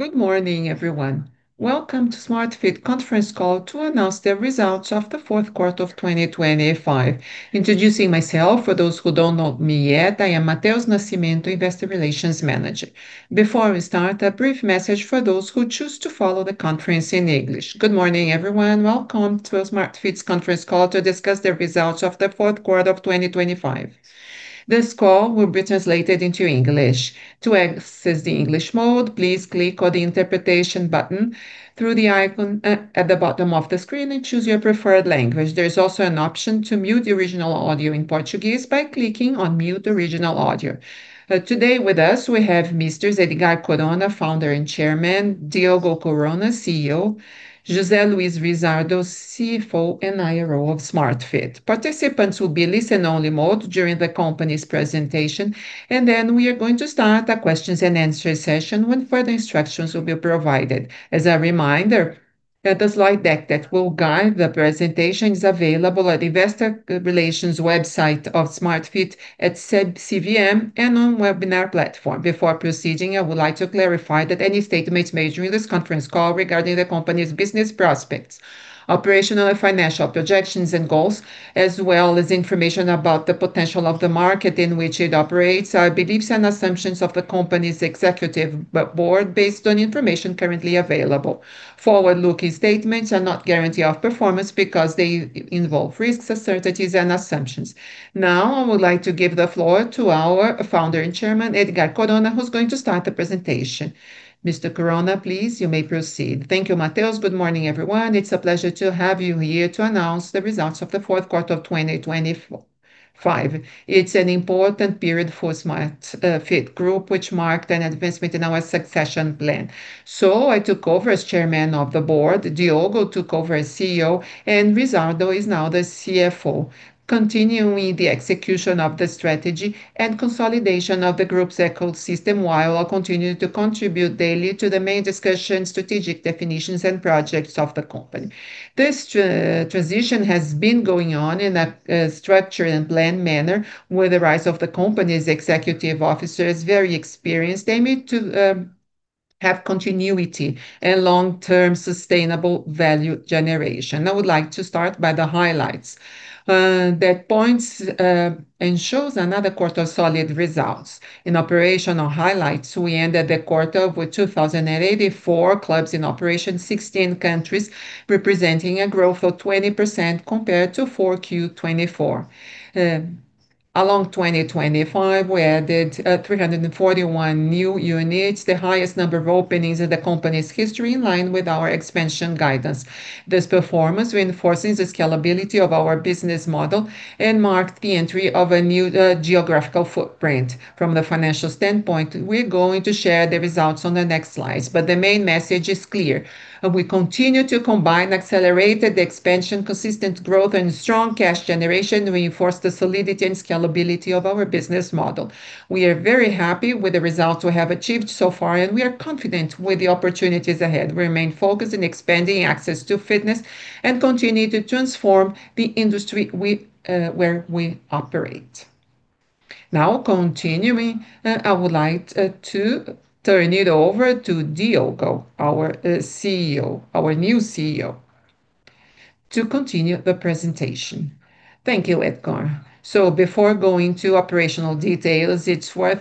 Good morning, everyone. Welcome to Smart Fit conference call to announce the results of the fourth quarter of 2025. Introducing myself for those who don't know me yet, I am Matheus Nascimento, Investor Relations Manager. Before we start, a brief message for those who choose to follow the conference in English. Good morning, everyone. Welcome to Smart Fit's conference call to discuss the results of the fourth quarter of 2025. This call will be translated into English. To access the English mode, please click on the interpretation button through the icon at the bottom of the screen and choose your preferred language. There's also an option to mute the original audio in Portuguese by clicking on Mute the Original Audio. Today with us, we have Mr. Edgardd Corona, Founder and Chairman, Diogo Corona, CEO, José Luís Rizzardo, CFO and IRO of Smart Fit. Participants will be in listen-only mode during the company's presentation, and then we are going to start a questions and answers session when further instructions will be provided. As a reminder, the slide deck that will guide the presentation is available at investor relations website of Smart Fit at CVM and on webinar platform. Before proceeding, I would like to clarify that any statements made during this conference call regarding the company's business prospects, operational and financial projections and goals, as well as information about the potential of the market in which it operates, are beliefs and assumptions of the company's executive board based on information currently available. Forward-looking statements are not a guarantee of performance because they involve risks, uncertainties and assumptions. Now, I would like to give the floor to our Founder and Chairman, Edgard Corona, who's going to start the presentation. Mr. Corona, please, you may proceed. Thank you, Matheus. Good morning, everyone. It's a pleasure to have you here to announce the results of the fourth quarter of 2025. It's an important period for Smart Fit Group, which marked an advancement in our succession plan. I took over as chairman of the board, Diogo took over as CEO, and Rizzardo is now the CFO, continuing the execution of the strategy and consolidation of the group's ecosystem, while I'll continue to contribute daily to the main discussion, strategic definitions and projects of the company. This transition has been going on in a structured and planned manner with the rise of the company's executive officers, very experienced, aiming to have continuity and long-term sustainable value generation. I would like to start by the highlights that points and shows another quarter of solid results. In operational highlights, we ended the quarter with 2,084 clubs in operation, 16 countries, representing a growth of 20% compared to Q4 2024. In 2025, we added 341 new units, the highest number of openings in the company's history, in line with our expansion guidance. This performance reinforces the scalability of our business model and marked the entry of a new geographical footprint. From the financial standpoint, we're going to share the results on the next slides. The main message is clear. We continue to combine accelerated expansion, consistent growth and strong cash generation to reinforce the solidity and scalability of our business model. We are very happy with the results we have achieved so far, and we are confident with the opportunities ahead. We remain focused on expanding access to fitness and continue to transform the industry where we operate. Now continuing, I would like to turn it over to Diogo, our new CEO, to continue the presentation. Thank you, Edgard. Before going to operational details, it's worth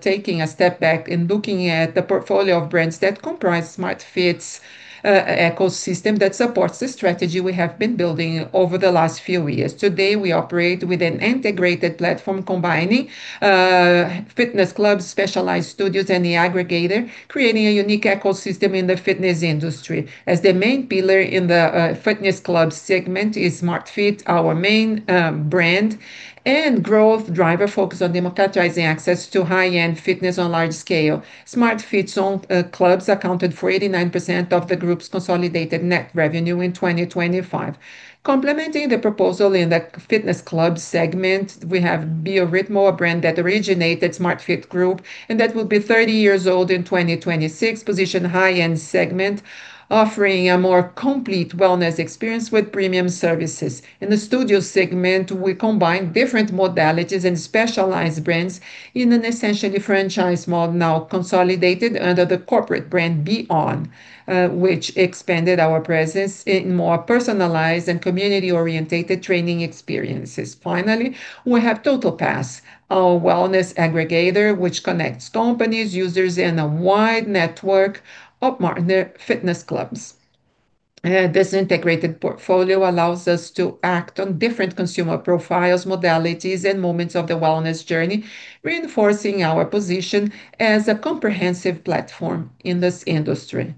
taking a step back and looking at the portfolio of brands that comprise Smart Fit's ecosystem that supports the strategy we have been building over the last few years. Today, we operate with an integrated platform combining fitness clubs, specialized studios, and the aggregator, creating a unique ecosystem in the fitness industry. As the main pillar in the fitness club segment is Smart Fit, our main brand and growth driver focused on democratizing access to high-end fitness on large scale. Smart Fit's own clubs accounted for 89% of the group's consolidated net revenue in 2025. Complementing the proposal in the fitness club segment, we have Bio Ritmo, a brand that originated Smart Fit Group and that will be 30 years old in 2026, positioned high-end segment, offering a more complete wellness experience with premium services. In the studio segment, we combine different modalities and specialized brands in an essentially franchise model now consolidated under the corporate brand BeOn, which expanded our presence in more personalized and community-oriented training experiences. Finally, we have TotalPass, our wellness aggregator, which connects companies, users in a wide network of fitness clubs. This integrated portfolio allows us to act on different consumer profiles, modalities and moments of the wellness journey, reinforcing our position as a comprehensive platform in this industry.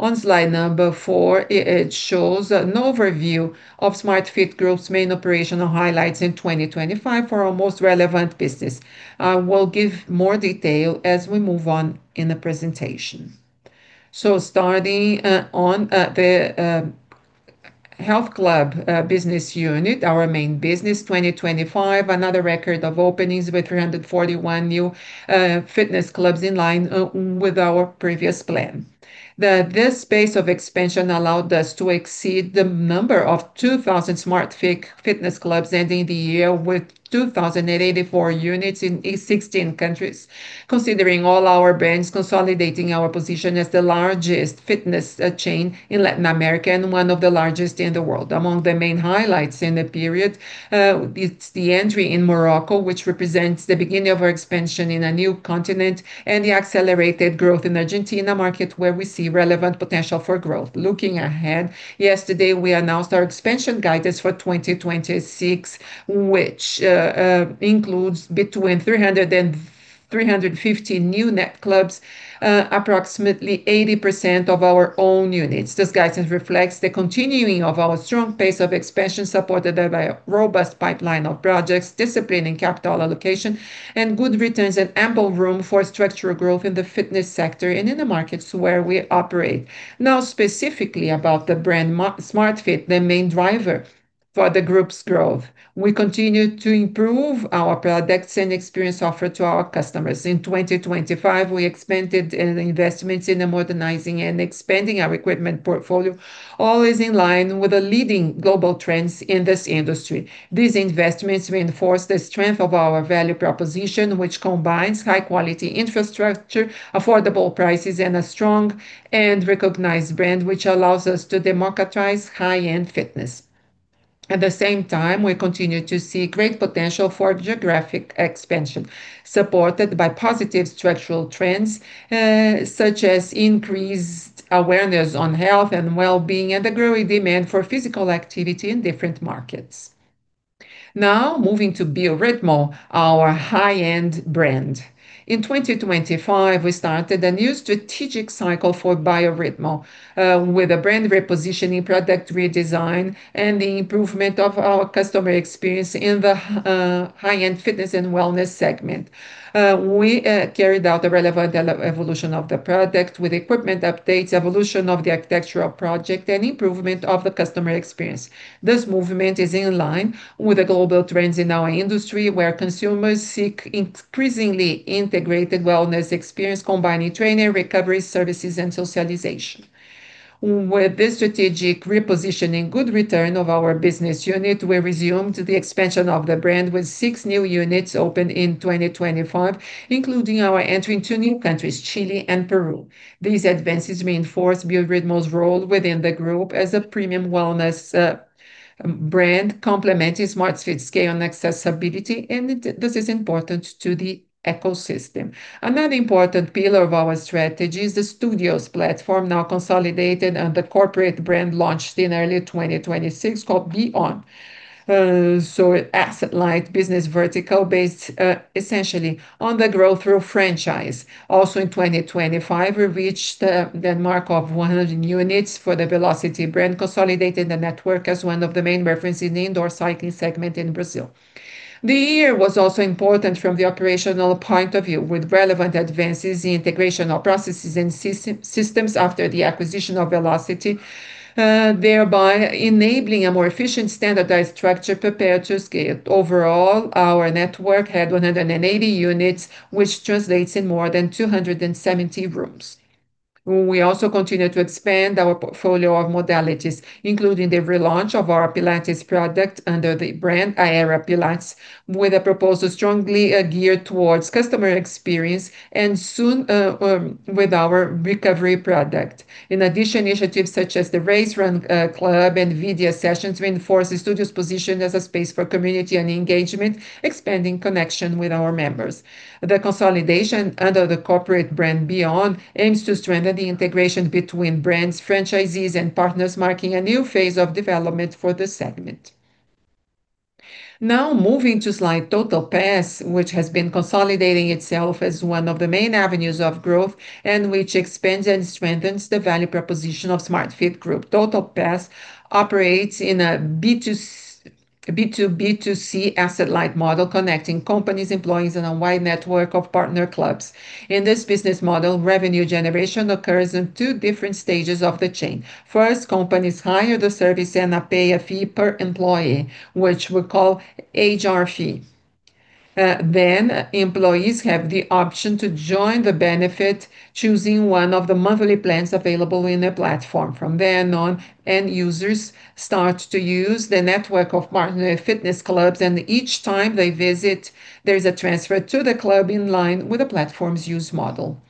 On slide number four, it shows an overview of Smart Fit Group's main operational highlights in 2025 for our most relevant business. I will give more detail as we move on in the presentation. Starting on the health club business unit, our main business, 2025, another record of openings with 341 new fitness clubs in line with our previous plan. This space of expansion allowed us to exceed the number of 2,000 Smart Fit fitness clubs, ending the year with 2,084 units in 16 countries. Considering all our brands consolidating our position as the largest fitness chain in Latin America and one of the largest in the world. Among the main highlights in the period, it's the entry in Morocco, which represents the beginning of our expansion in a new continent and the accelerated growth in Argentina market where we see relevant potential for growth. Looking ahead, yesterday, we announced our expansion guidance for 2026, which includes between 300 and 350 new net clubs, approximately 80% of our own units. This guidance reflects the continuing of our strong pace of expansion, supported by a robust pipeline of projects, discipline in capital allocation, and good returns and ample room for structural growth in the fitness sector and in the markets where we operate. Now, specifically about the brand Smart Fit, the main driver for the group's growth. We continue to improve our products and experience offered to our customers. In 2025, we expanded in investments in the modernizing and expanding our equipment portfolio, always in line with the leading global trends in this industry. These investments reinforce the strength of our value proposition, which combines high quality infrastructure, affordable prices, and a strong and recognized brand, which allows us to democratize high-end fitness. At the same time, we continue to see great potential for geographic expansion, supported by positive structural trends, such as increased awareness on health and well-being and the growing demand for physical activity in different markets. Now, moving to Bio Ritmo, our high-end brand. In 2025, we started a new strategic cycle for Bio Ritmo, with a brand repositioning, product redesign and the improvement of our customer experience in the high-end fitness and wellness segment. We carried out the relevant evolution of the product with equipment updates, evolution of the architectural project, and improvement of the customer experience. This movement is in line with the global trends in our industry, where consumers seek increasingly integrated wellness experience, combining training, recovery services, and socialization. With this strategic repositioning good return of our business unit, we resumed the expansion of the brand with six new units opened in 2025, including our entry into new countries, Chile and Peru. These advances reinforce Bio Ritmo's role within the group as a premium wellness brand complementing Smart Fit's scale and accessibility, and this is important to the ecosystem. Another important pillar of our strategy is the studios platform now consolidated, and the corporate brand launched in early 2026 called Be On. Asset-light business vertical based essentially on the growth through franchise. In 2025, we reached the mark of 100 units for the Velocity brand, consolidating the network as one of the main reference in the indoor cycling segment in Brazil. The year was also important from the operational point of view, with relevant advances in integration of processes and systems after the acquisition of Velocity, thereby enabling a more efficient standardized structure prepared to scale. Overall, our network had 180 units, which translates in more than 270 rooms. We also continue to expand our portfolio of modalities, including the relaunch of our Pilates product under the brand Aera Pilates, with a proposal strongly geared towards customer experience and soon with our recovery product. In addition, initiatives such as the Race Run Club and video sessions reinforce the studio's position as a space for community and engagement, expanding connection with our members. The consolidation under the corporate brand, Be On, aims to strengthen the integration between brands, franchisees, and partners, marking a new phase of development for the segment. Now moving to slide TotalPass, which has been consolidating itself as one of the main avenues of growth and which expands and strengthens the value proposition of Smart Fit Group. TotalPass operates in a B2B2C asset-light model, connecting companies, employees, and a wide network of partner clubs. In this business model, revenue generation occurs in two different stages of the chain. First, companies hire the service and pay a fee per employee, which we call HR fee. Employees have the option to join the benefit, choosing one of the monthly plans available in their platform. From then on, end users start to use the network of partner fitness clubs, and each time they visit, there's a transfer to the club in line with the platform's use model.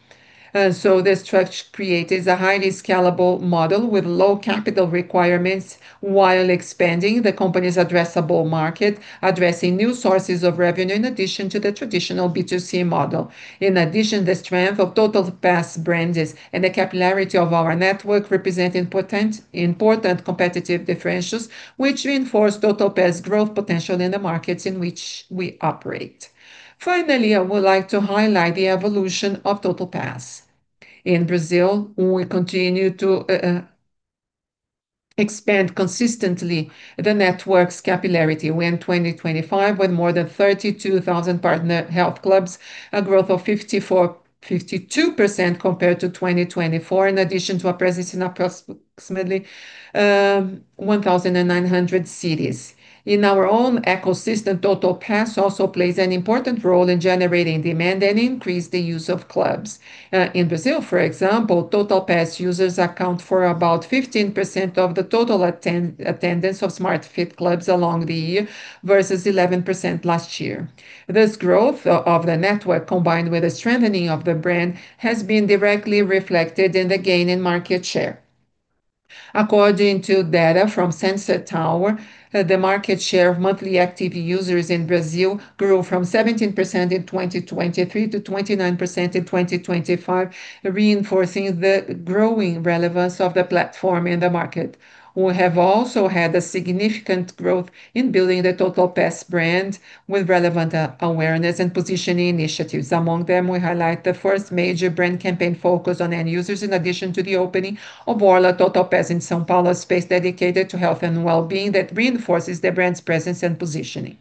The structure created is a highly scalable model with low capital requirements while expanding the company's addressable market, addressing new sources of revenue in addition to the traditional B2C model. In addition, the strength of TotalPass brands and the capillarity of our network represent important competitive differentials, which reinforce TotalPass growth potential in the markets in which we operate. Finally, I would like to highlight the evolution of TotalPass. In Brazil, we continue to expand consistently the network's capillarity. We end 2025 with more than 32,000 partner health clubs, a growth of 52% compared to 2024, in addition to a presence in approximately 1,900 cities. In our own ecosystem, TotalPass also plays an important role in generating demand and increase the use of clubs. In Brazil, for example, TotalPass users account for about 15% of the total attendance of Smart Fit clubs along the year versus 11% last year. This growth of the network, combined with the strengthening of the brand, has been directly reflected in the gain in market share. According to data from Sensor Tower, the market share of monthly active users in Brazil grew from 17% in 2023 to 29% in 2025, reinforcing the growing relevance of the platform in the market. We have also had a significant growth in building the TotalPass brand with relevant awareness and positioning initiatives. Among them, we highlight the first major brand campaign focused on end users in addition to the opening of World TotalPass in São Paulo, a space dedicated to health and well-being that reinforces the brand's presence and positioning.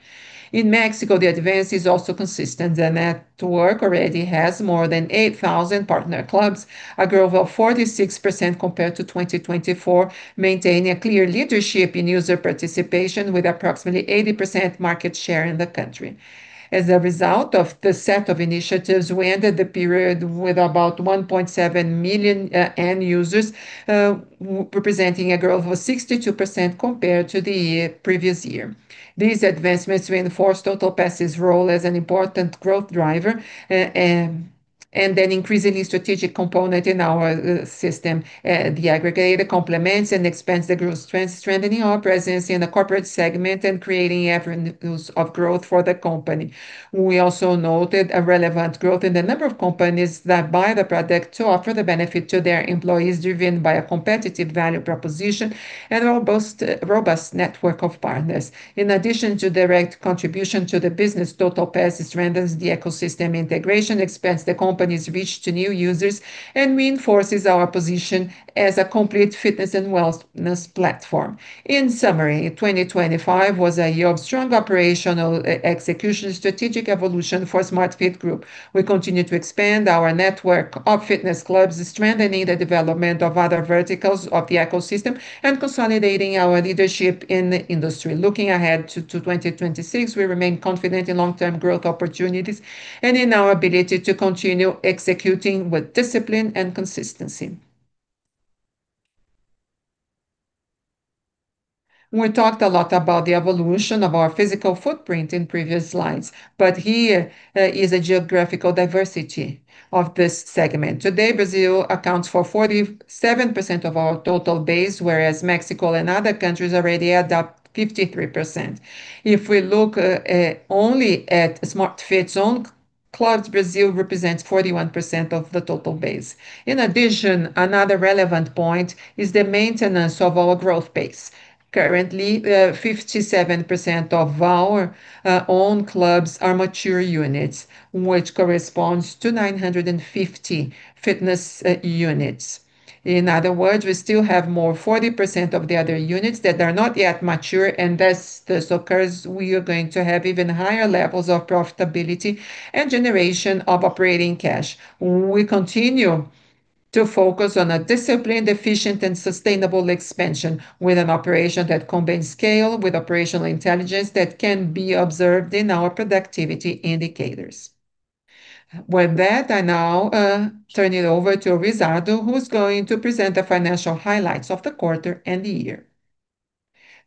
In Mexico, the advance is also consistent. The network already has more than 8,000 partner clubs, a growth of 46% compared to 2024, maintaining a clear leadership in user participation with approximately 80% market share in the country. As a result of the set of initiatives, we ended the period with about 1.7 million end users representing a growth of 62% compared to the previous year. These advancements reinforce TotalPass' role as an important growth driver and an increasingly strategic component in our system. The aggregator complements and expands the group's strength, strengthening our presence in the corporate segment and creating avenues of growth for the company. We also noted a relevant growth in the number of companies that buy the product to offer the benefit to their employees driven by a competitive value proposition and a robust network of partners. In addition to direct contribution to the business, TotalPass strengthens the ecosystem integration, expands the company's reach to new users, and reinforces our position as a complete fitness and wellness platform. In summary, 2025 was a year of strong operational execution strategic evolution for Smart Fit Group. We continue to expand our network of fitness clubs, strengthening the development of other verticals of the ecosystem, and consolidating our leadership in the industry. Looking ahead to 2026, we remain confident in long-term growth opportunities and in our ability to continue executing with discipline and consistency. We talked a lot about the evolution of our physical footprint in previous slides, but here is a geographical diversity of this segment. Today, Brazil accounts for 47% of our total base, whereas Mexico and other countries already add up 53%. If we look only at Smart Fit's own clubs, Brazil represents 41% of the total base. In addition, another relevant point is the maintenance of our growth base. Currently, 57% of our own clubs are mature units, which corresponds to 950 fitness units. In other words, we still have more than 40% of the other units that are not yet mature, and as this occurs, we are going to have even higher levels of profitability and generation of operating cash. We continue to focus on a disciplined, efficient, and sustainable expansion with an operation that combines scale with operational intelligence that can be observed in our productivity indicators. With that, I now turn it over to Rizzardo, who's going to present the financial highlights of the quarter and the year.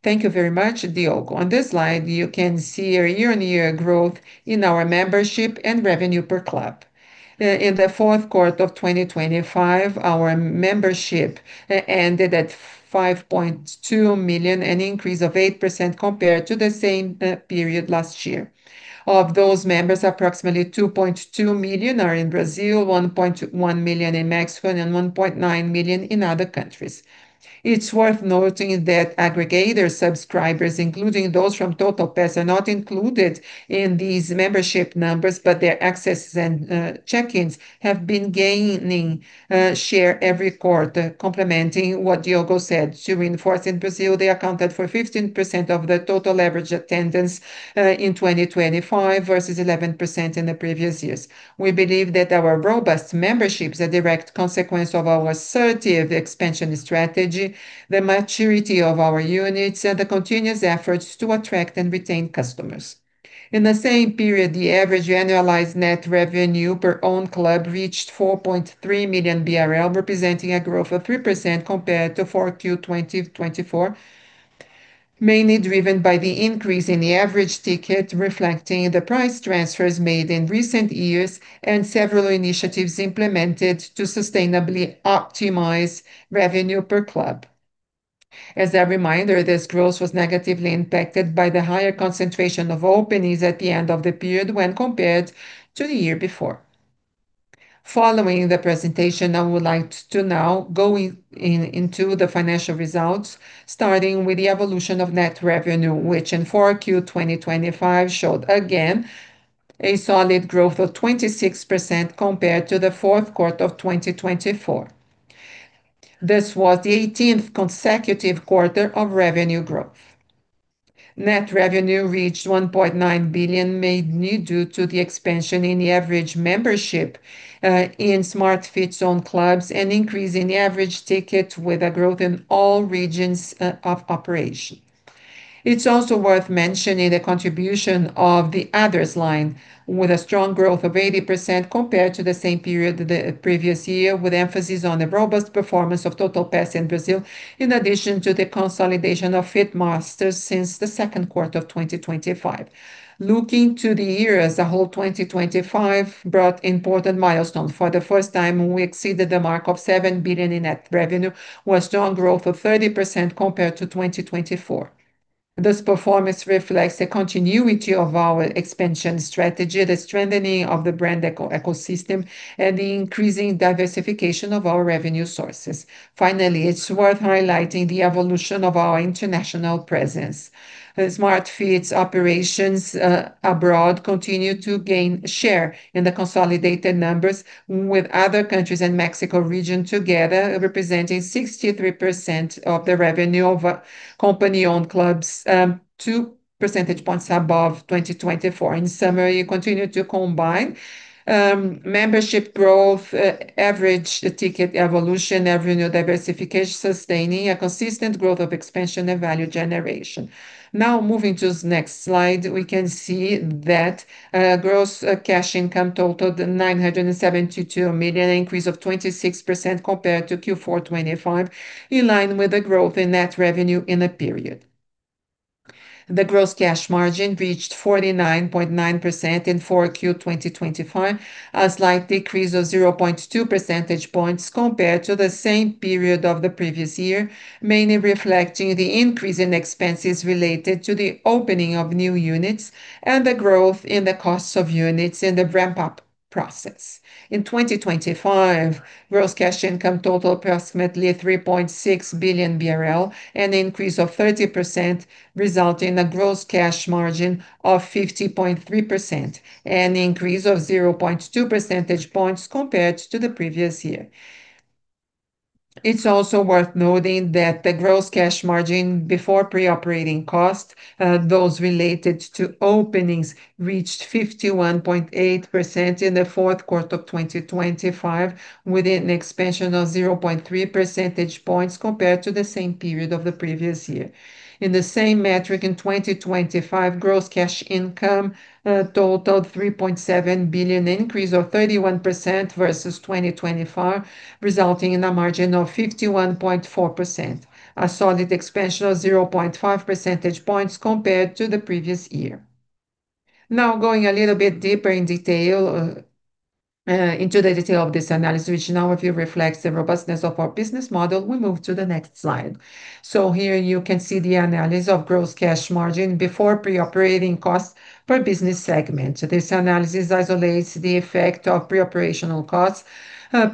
Thank you very much, Diogo. On this slide, you can see our year-on-year growth in our membership and revenue per club. In the fourth quarter of 2025, our membership ended at 5.2 million, an increase of 8% compared to the same period last year. Of those members, approximately 2.2 million are in Brazil, 1.1 million in Mexico, and 1.9 million in other countries. It's worth noting that aggregator subscribers, including those from TotalPass, are not included in these membership numbers, but their accesses and check-ins have been gaining share every quarter. Complementing what Diogo said, to reinforce, in Brazil, they accounted for 15% of the total average attendance in 2025 versus 11% in the previous years. We believe that our robust membership is a direct consequence of our assertive expansion strategy, the maturity of our units, and the continuous efforts to attract and retain customers. In the same period, the average annualized net revenue per owned club reached 4.3 million BRL, representing a growth of 3% compared to 4Q 2024, mainly driven by the increase in the average ticket reflecting the price transfers made in recent years and several initiatives implemented to sustainably optimize revenue per club. As a reminder, this growth was negatively impacted by the higher concentration of openings at the end of the period when compared to the year before. Following the presentation, I would like to now go into the financial results, starting with the evolution of net revenue, which in 4Q 2025 showed again a solid growth of 26% compared to the fourth quarter of 2024. This was the 18th consecutive quarter of revenue growth. Net revenue reached 1.9 billion, mainly due to the expansion in the average membership in Smart Fit's own clubs and increase in the average ticket with a growth in all regions of operation. It's also worth mentioning the contribution of the ancillary line with a strong growth of 80% compared to the same period the previous year, with emphasis on the robust performance of TotalPass in Brazil, in addition to the consolidation of Fit Master since the second quarter of 2025. Looking to the year as a whole, 2025 brought important milestone. For the first time, we exceeded the mark of 7 billion in net revenue with strong growth of 30% compared to 2024. This performance reflects the continuity of our expansion strategy, the strengthening of the brand ecosystem, and the increasing diversification of our revenue sources. Finally, it's worth highlighting the evolution of our international presence. As Smart Fit's operations abroad continue to gain share in the consolidated numbers with other countries and Mexico region together representing 63% of the revenue of company-owned clubs, 2 percentage points above 2024. In summary, we continue to combine membership growth, average ticket evolution, revenue diversification, sustaining a consistent growth of expansion and value generation. Now moving to the next slide, we can see that gross cash income totaled 972 million, an increase of 26% compared to Q4 2025, in line with the growth in net revenue in the period. The gross cash margin reached 49.9% in 4Q 2025, a slight decrease of 0.2 percentage points compared to the same period of the previous year, mainly reflecting the increase in expenses related to the opening of new units and the growth in the costs of units in the ramp-up process. In 2025, gross cash income totaled approximately 3.6 billion BRL, an increase of 30%, resulting in a gross cash margin of 50.3%, an increase of 0.2 percentage points compared to the previous year. It's also worth noting that the gross cash margin before pre-operating costs, those related to openings, reached 51.8% in the fourth quarter of 2025, with an expansion of 0.3 percentage points compared to the same period of the previous year. In the same metric in 2025, gross cash income totaled 3.7 billion increase of 31% versus 2025, resulting in a margin of 51.4%. A solid expansion of 0.5 percentage points compared to the previous year. Now going a little bit deeper in detail into the detail of this analysis, which in our view reflects the robustness of our business model, we move to the next slide. Here you can see the analysis of gross cash margin before pre-operating costs per business segment. This analysis isolates the effect of pre-operational costs,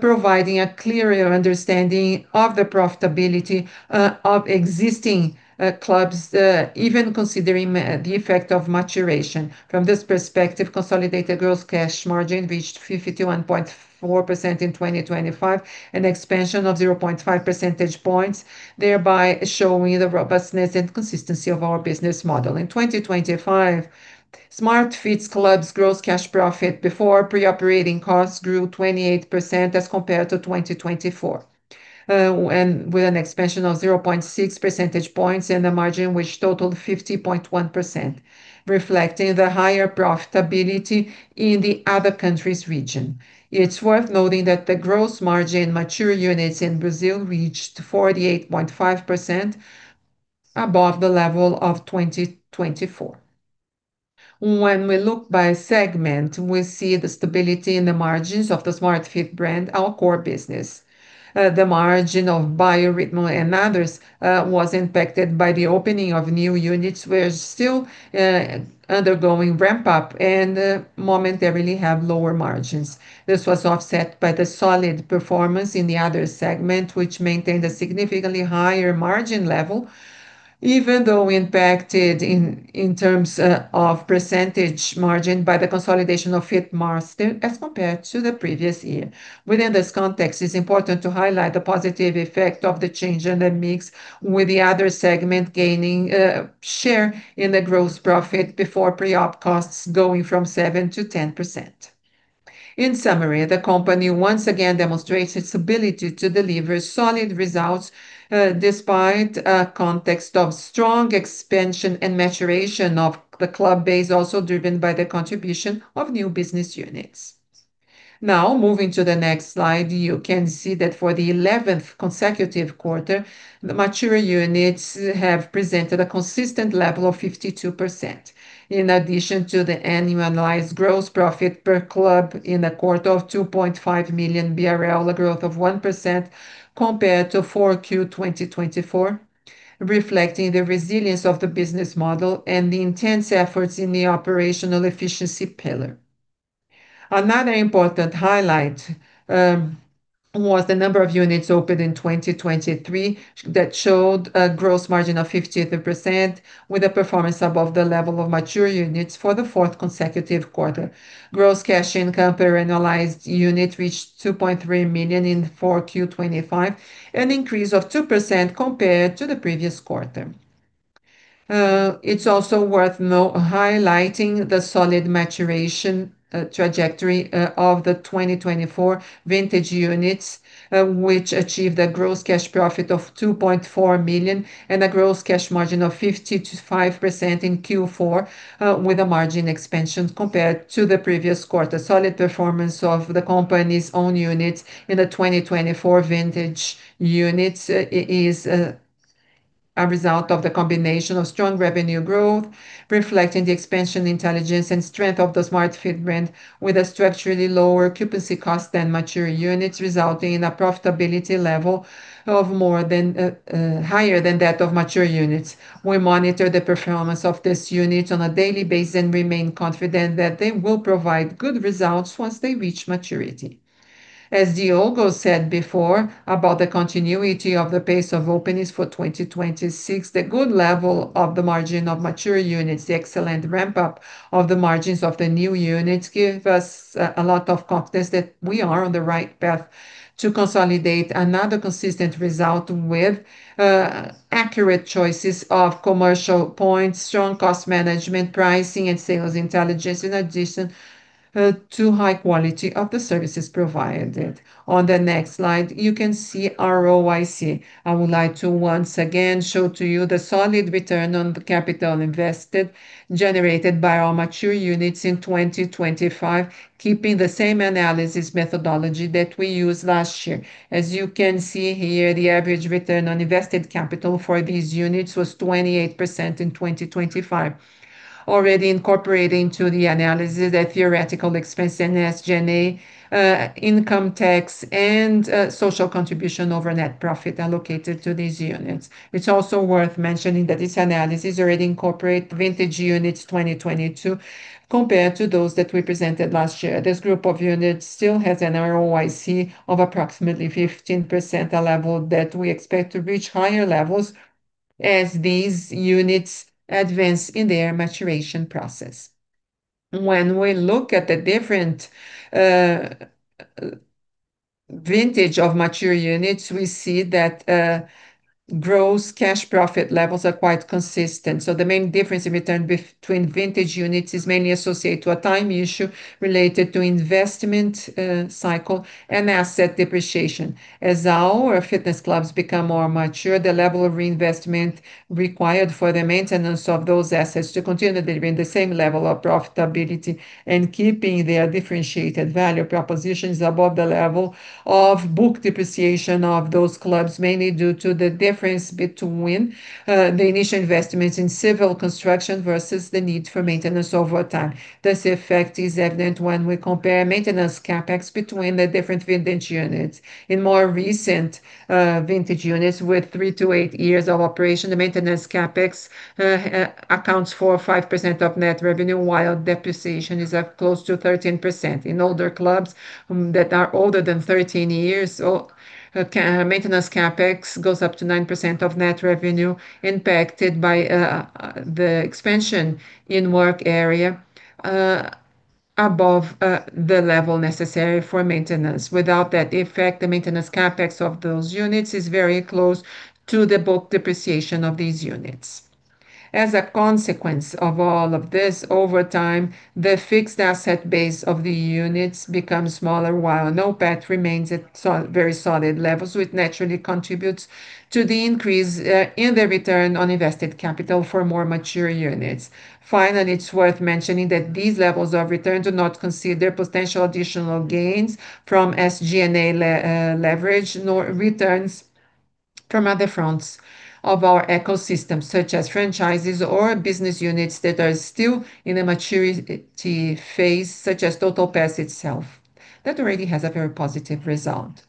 providing a clearer understanding of the profitability of existing clubs, even considering the effect of maturation. From this perspective, consolidated gross cash margin reached 51.4% in 2025, an expansion of 0.5 percentage points, thereby showing the robustness and consistency of our business model. In 2025, Smart Fit's clubs gross cash profit before pre-operating costs grew 28% as compared to 2024, and with an expansion of 0.6 percentage points and a margin which totaled 50.1%, reflecting the higher profitability in the other countries region. It's worth noting that the gross margin mature units in Brazil reached 48.5% above the level of 2024. When we look by segment, we see the stability in the margins of the Smart Fit brand, our core business. The margin of Bio Ritmo and others was impacted by the opening of new units. We're still undergoing ramp-up and momentarily have lower margins. This was offset by the solid performance in the other segment, which maintained a significantly higher margin level, even though impacted in terms of percentage margin by the consolidation of Fit Master as compared to the previous year. Within this context, it's important to highlight the positive effect of the change in the mix with the other segment gaining share in the gross profit before pre-op costs going from 7% to 10%. In summary, the company once again demonstrates its ability to deliver solid results, despite a context of strong expansion and maturation of the club base also driven by the contribution of new business units. Now moving to the next slide, you can see that for the eleventh consecutive quarter, the mature units have presented a consistent level of 52%. In addition to the annualized gross profit per club in a quarter of 2.5 million BRL, a growth of 1% compared to 4Q 2024, reflecting the resilience of the business model and the intense efforts in the operational efficiency pillar. Another important highlight was the number of units opened in 2023 that showed a gross margin of 53% with a performance above the level of mature units for the fourth consecutive quarter. Gross cash income per annualized unit reached 2.3 million in 4Q 2025, an increase of 2% compared to the previous quarter. It's also worth highlighting the solid maturation trajectory of the 2024 vintage units, which achieved a gross cash profit of 2.4 million and a gross cash margin of 50%-55% in Q4, with a margin expansion compared to the previous quarter. Solid performance of the company's own units in the 2024 vintage units is a result of the combination of strong revenue growth, reflecting the expansion intelligence and strength of the Smart Fit brand with a structurally lower occupancy cost than mature units, resulting in a profitability level of higher than that of mature units. We monitor the performance of this unit on a daily basis and remain confident that they will provide good results once they reach maturity. Diogo said before about the continuity of the pace of openings for 2026, the good level of the margin of mature units, the excellent ramp-up of the margins of the new units give us a lot of confidence that we are on the right path to consolidate another consistent result with accurate choices of commercial points, strong cost management, pricing and sales intelligence, in addition, to high quality of the services provided. On the next slide, you can see ROIC. I would like to once again show to you the solid return on the capital invested generated by our mature units in 2025, keeping the same analysis methodology that we used last year. As you can see here, the average return on invested capital for these units was 28% in 2025. Already incorporating to the analysis, the theoretical expense in SG&A, income tax and, social contribution over net profit allocated to these units. It's also worth mentioning that this analysis already incorporate vintage units 2022 compared to those that we presented last year. This group of units still has an ROIC of approximately 15%, a level that we expect to reach higher levels as these units advance in their maturation process. When we look at the different, vintage of mature units, we see that, gross cash profit levels are quite consistent. The main difference in return between vintage units is mainly associated to a time issue related to investment, cycle and asset depreciation. As our fitness clubs become more mature, the level of reinvestment required for the maintenance of those assets to continue to deliver the same level of profitability and keeping their differentiated value propositions above the level of book depreciation of those clubs, mainly due to the difference between the initial investments in civil construction versus the need for maintenance over time. This effect is evident when we compare maintenance CapEx between the different vintage units. In more recent vintage units with three-eight years of operation, the maintenance CapEx accounts for 5% of net revenue, while depreciation is at close to 13%. In older clubs that are older than 13 years old, maintenance CapEx goes up to 9% of net revenue impacted by the expansion in work area above the level necessary for maintenance. Without that effect, the maintenance CapEx of those units is very close to the book depreciation of these units. As a consequence of all of this, over time, the fixed asset base of the units becomes smaller while NOPAT remains at very solid levels, which naturally contributes to the increase in the return on invested capital for more mature units. Finally, it's worth mentioning that these levels of return do not consider potential additional gains from SG&A leverage nor returns from other fronts of our ecosystem, such as franchises or business units that are still in a maturity phase, such as TotalPass itself. That already has a very positive result.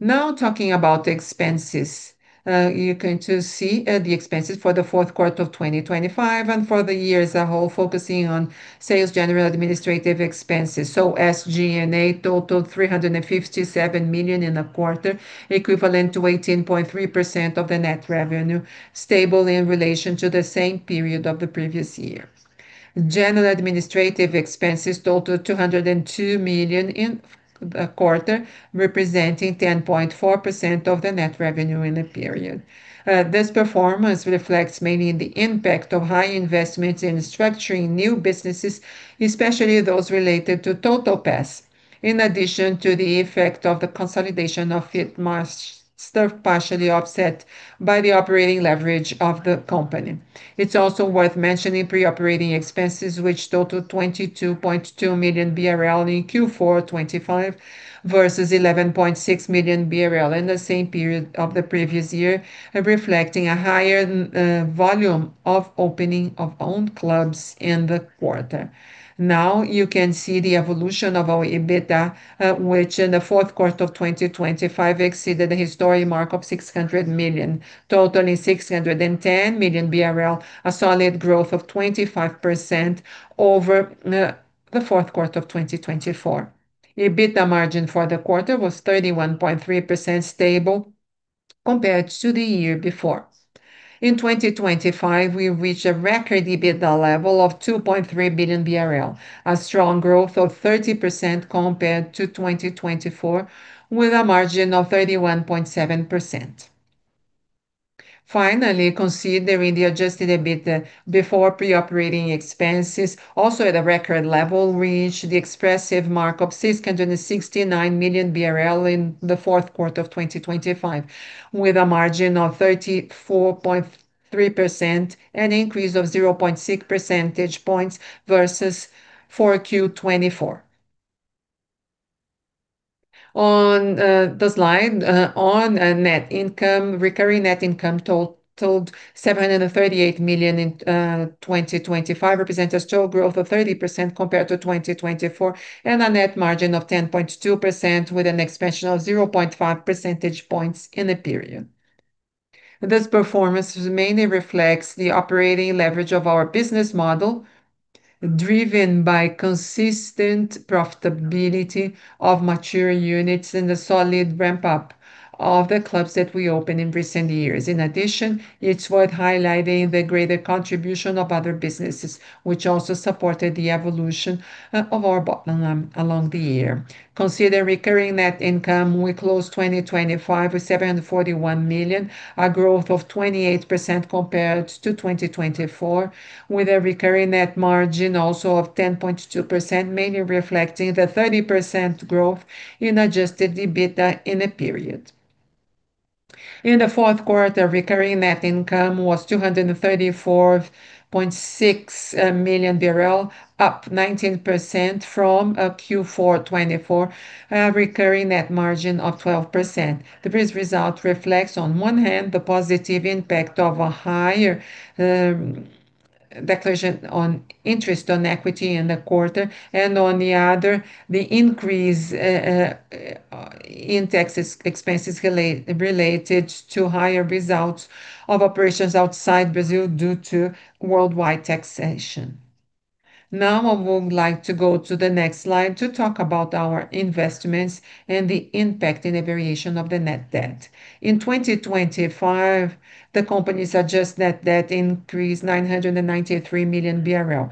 Now talking about expenses. You're going to see the expenses for the fourth quarter of 2025 and for the year as a whole, focusing on sales, general, and administrative expenses. SG&A totaled 357 million in the quarter, equivalent to 18.3% of the net revenue, stable in relation to the same period of the previous year. General administrative expenses totaled 202 million in the quarter, representing 10.4% of the net revenue in the period. This performance reflects mainly the impact of high investments in structuring new businesses, especially those related to TotalPass, in addition to the effect of the consolidation of Fit Master, partially offset by the operating leverage of the company. It's also worth mentioning pre-operating expenses, which totaled 22.2 million BRL in Q4 2025 versus 11.6 million BRL in the same period of the previous year, reflecting a higher volume of opening of own clubs in the quarter. Now you can see the evolution of our EBITDA, which in the fourth quarter of 2025 exceeded a historic mark of 600 million, totaling 610 million BRL, a solid growth of 25% over the fourth quarter of 2024. EBITDA margin for the quarter was 31.3% stable compared to the year before. In 2025, we reached a record EBITDA level of 2.3 billion BRL, a strong growth of 30% compared to 2024, with a margin of 31.7%. Finally, considering the Adjusted EBITDA before pre-operating expenses, also at a record level, reached the expressive mark of 669 million BRL in the fourth quarter of 2025, with a margin of 34.3% and an increase of 0.6 percentage points versus 4Q 2024. On the slide on net income, recurring net income totaled 738 million in 2025, represents total growth of 30% compared to 2024 and a net margin of 10.2% with an expansion of 0.5 percentage points in the period. This performance mainly reflects the operating leverage of our business model, driven by consistent profitability of mature units and the solid ramp up of the clubs that we opened in recent years. In addition, it's worth highlighting the greater contribution of other businesses, which also supported the evolution of our bottom along the year. Considering recurring net income, we closed 2025 with 741 million, a growth of 28% compared to 2024, with a recurring net margin also of 10.2%, mainly reflecting the 30% growth in Adjusted EBITDA in the period. In the fourth quarter, recurring net income was 234.6 million, up 19% from Q4 2024, recurring net margin of 12%. The first result reflects on one hand the positive impact of a higher declaration on interest on equity in the quarter, and on the other, the increase in tax expenses related to higher results of operations outside Brazil due to worldwide taxation. Now I would like to go to the next slide to talk about our investments and the impact in the variation of the net debt. In 2025, the company's adjusted net debt increased 993 million BRL,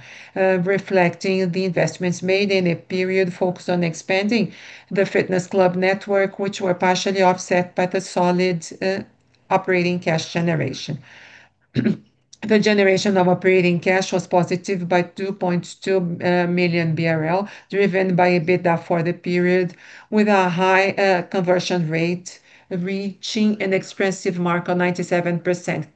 reflecting the investments made in the period focused on expanding the fitness club network, which were partially offset by the solid operating cash generation. The generation of operating cash was positive by 2.2 million BRL, driven by EBITDA for the period with a high conversion rate reaching an expressive mark of 97%.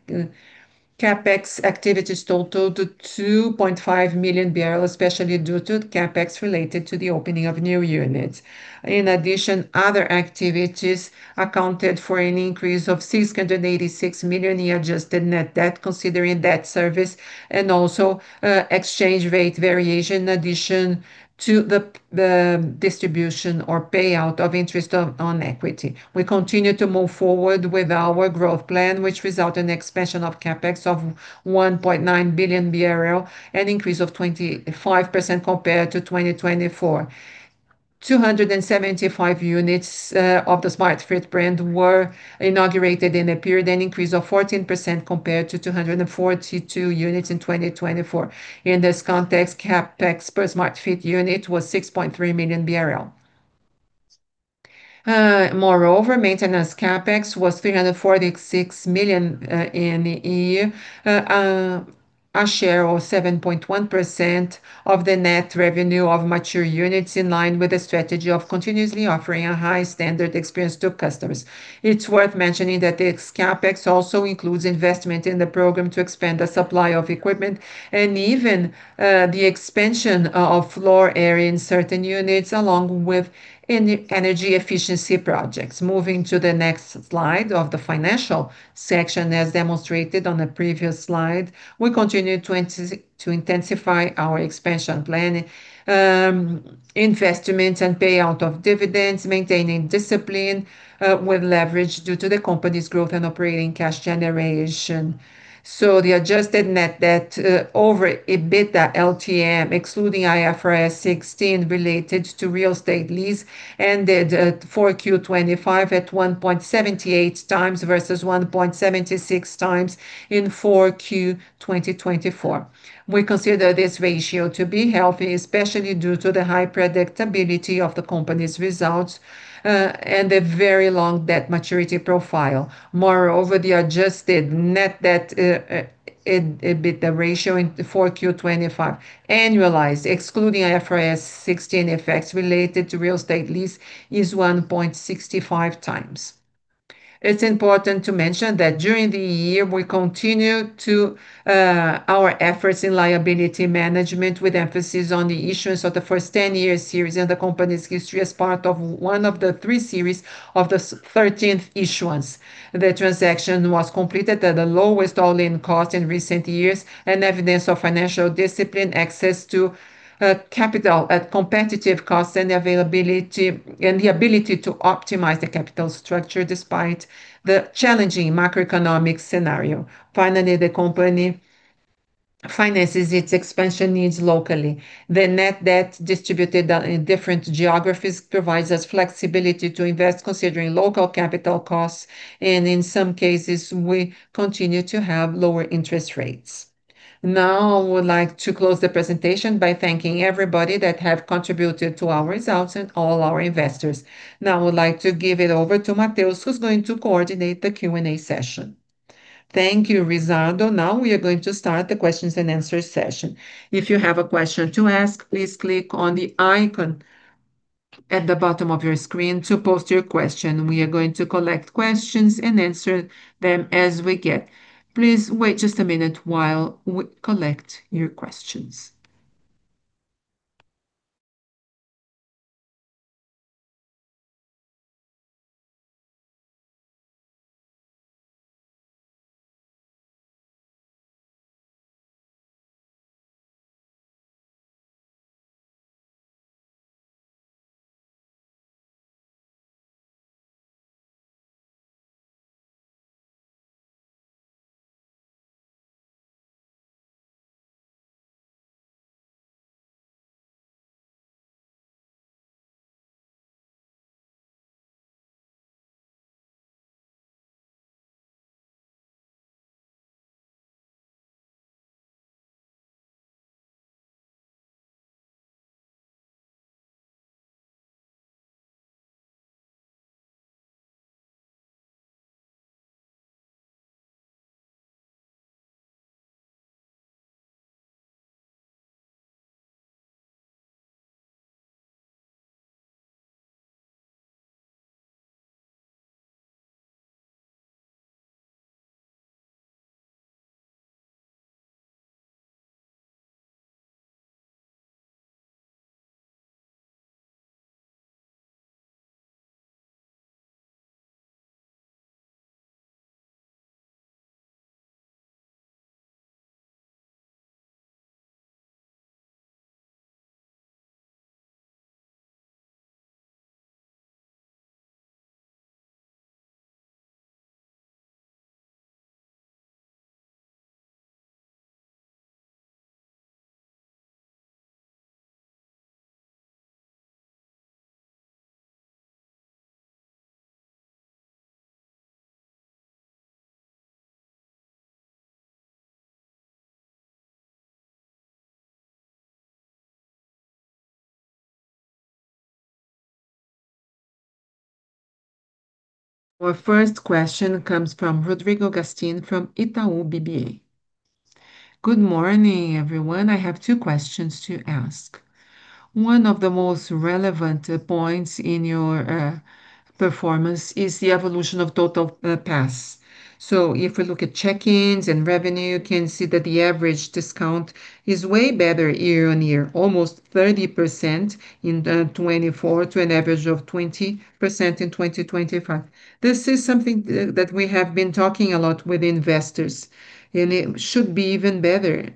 CapEx activities totaled to 2.5 million, especially due to CapEx related to the opening of new units. In addition, other activities accounted for an increase of 686 million in adjusted net debt, considering debt service and also exchange rate variation in addition to the distribution or payout of interest on equity. We continue to move forward with our growth plan, which result in expansion of CapEx of 1.9 billion BRL, an increase of 25% compared to 2024. 275 units of the Smart Fit brand were inaugurated in the period, an increase of 14% compared to 242 units in 2024. In this context, CapEx per Smart Fit unit was 6.3 million BRL. Moreover, maintenance CapEx was 346 million in the year. A share of 7.1% of the net revenue of mature units in line with the strategy of continuously offering a high standard experience to customers. It's worth mentioning that this CapEx also includes investment in the program to expand the supply of equipment and even the expansion of floor area in certain units, along with energy efficiency projects. Moving to the next slide of the financial section, as demonstrated on the previous slide, we continue to intensify our expansion plan, investments and payout of dividends, maintaining discipline with leverage due to the company's growth and operating cash generation. The adjusted net debt over EBITDA LTM, excluding IFRS 16 related to real estate lease, ended at Q4 2025 at 1.78x versus 1.76x in Q4 2024. We consider this ratio to be healthy, especially due to the high predictability of the company's results and the very long debt maturity profile. Moreover, the adjusted net debt EBITDA ratio in the Q4 2025 annualized, excluding IFRS 16 effects related to real estate lease, is 1.65x. It's important to mention that during the year, we continued to our efforts in liability management with emphasis on the issuance of the first 10-year series in the company's history as part of one of the three series of the 13th issuance. The transaction was completed at the lowest all-in cost in recent years, evidence of financial discipline, access to capital at competitive cost and availability, and the ability to optimize the capital structure despite the challenging macroeconomic scenario. Finally, the company finances its expansion needs locally. The net debt distributed in different geographies provides us flexibility to invest considering local capital costs, and in some cases, we continue to have lower interest rates. Now I would like to close the presentation by thanking everybody that have contributed to our results and all our investors. Now I would like to give it over to Matheus who's going to coordinate the Q&A session. Thank you, Rizzardo. Now we are going to start the questions and answers session. If you have a question to ask, please click on the icon at the bottom of your screen to post your question. We are going to collect questions and answer them as we get. Please wait just a minute while we collect your questions. Our first question comes from Rodrigo Gastim from Itaú BBA. Good morning, everyone. I have two questions to ask. One of the most relevant points in your performance is the evolution of TotalPass. If we look at check-ins and revenue, you can see that the average discount is way better year-on-year, almost 30% in 2024 to an average of 20% in 2025. This is something that we have been talking a lot with investors, and it should be even better.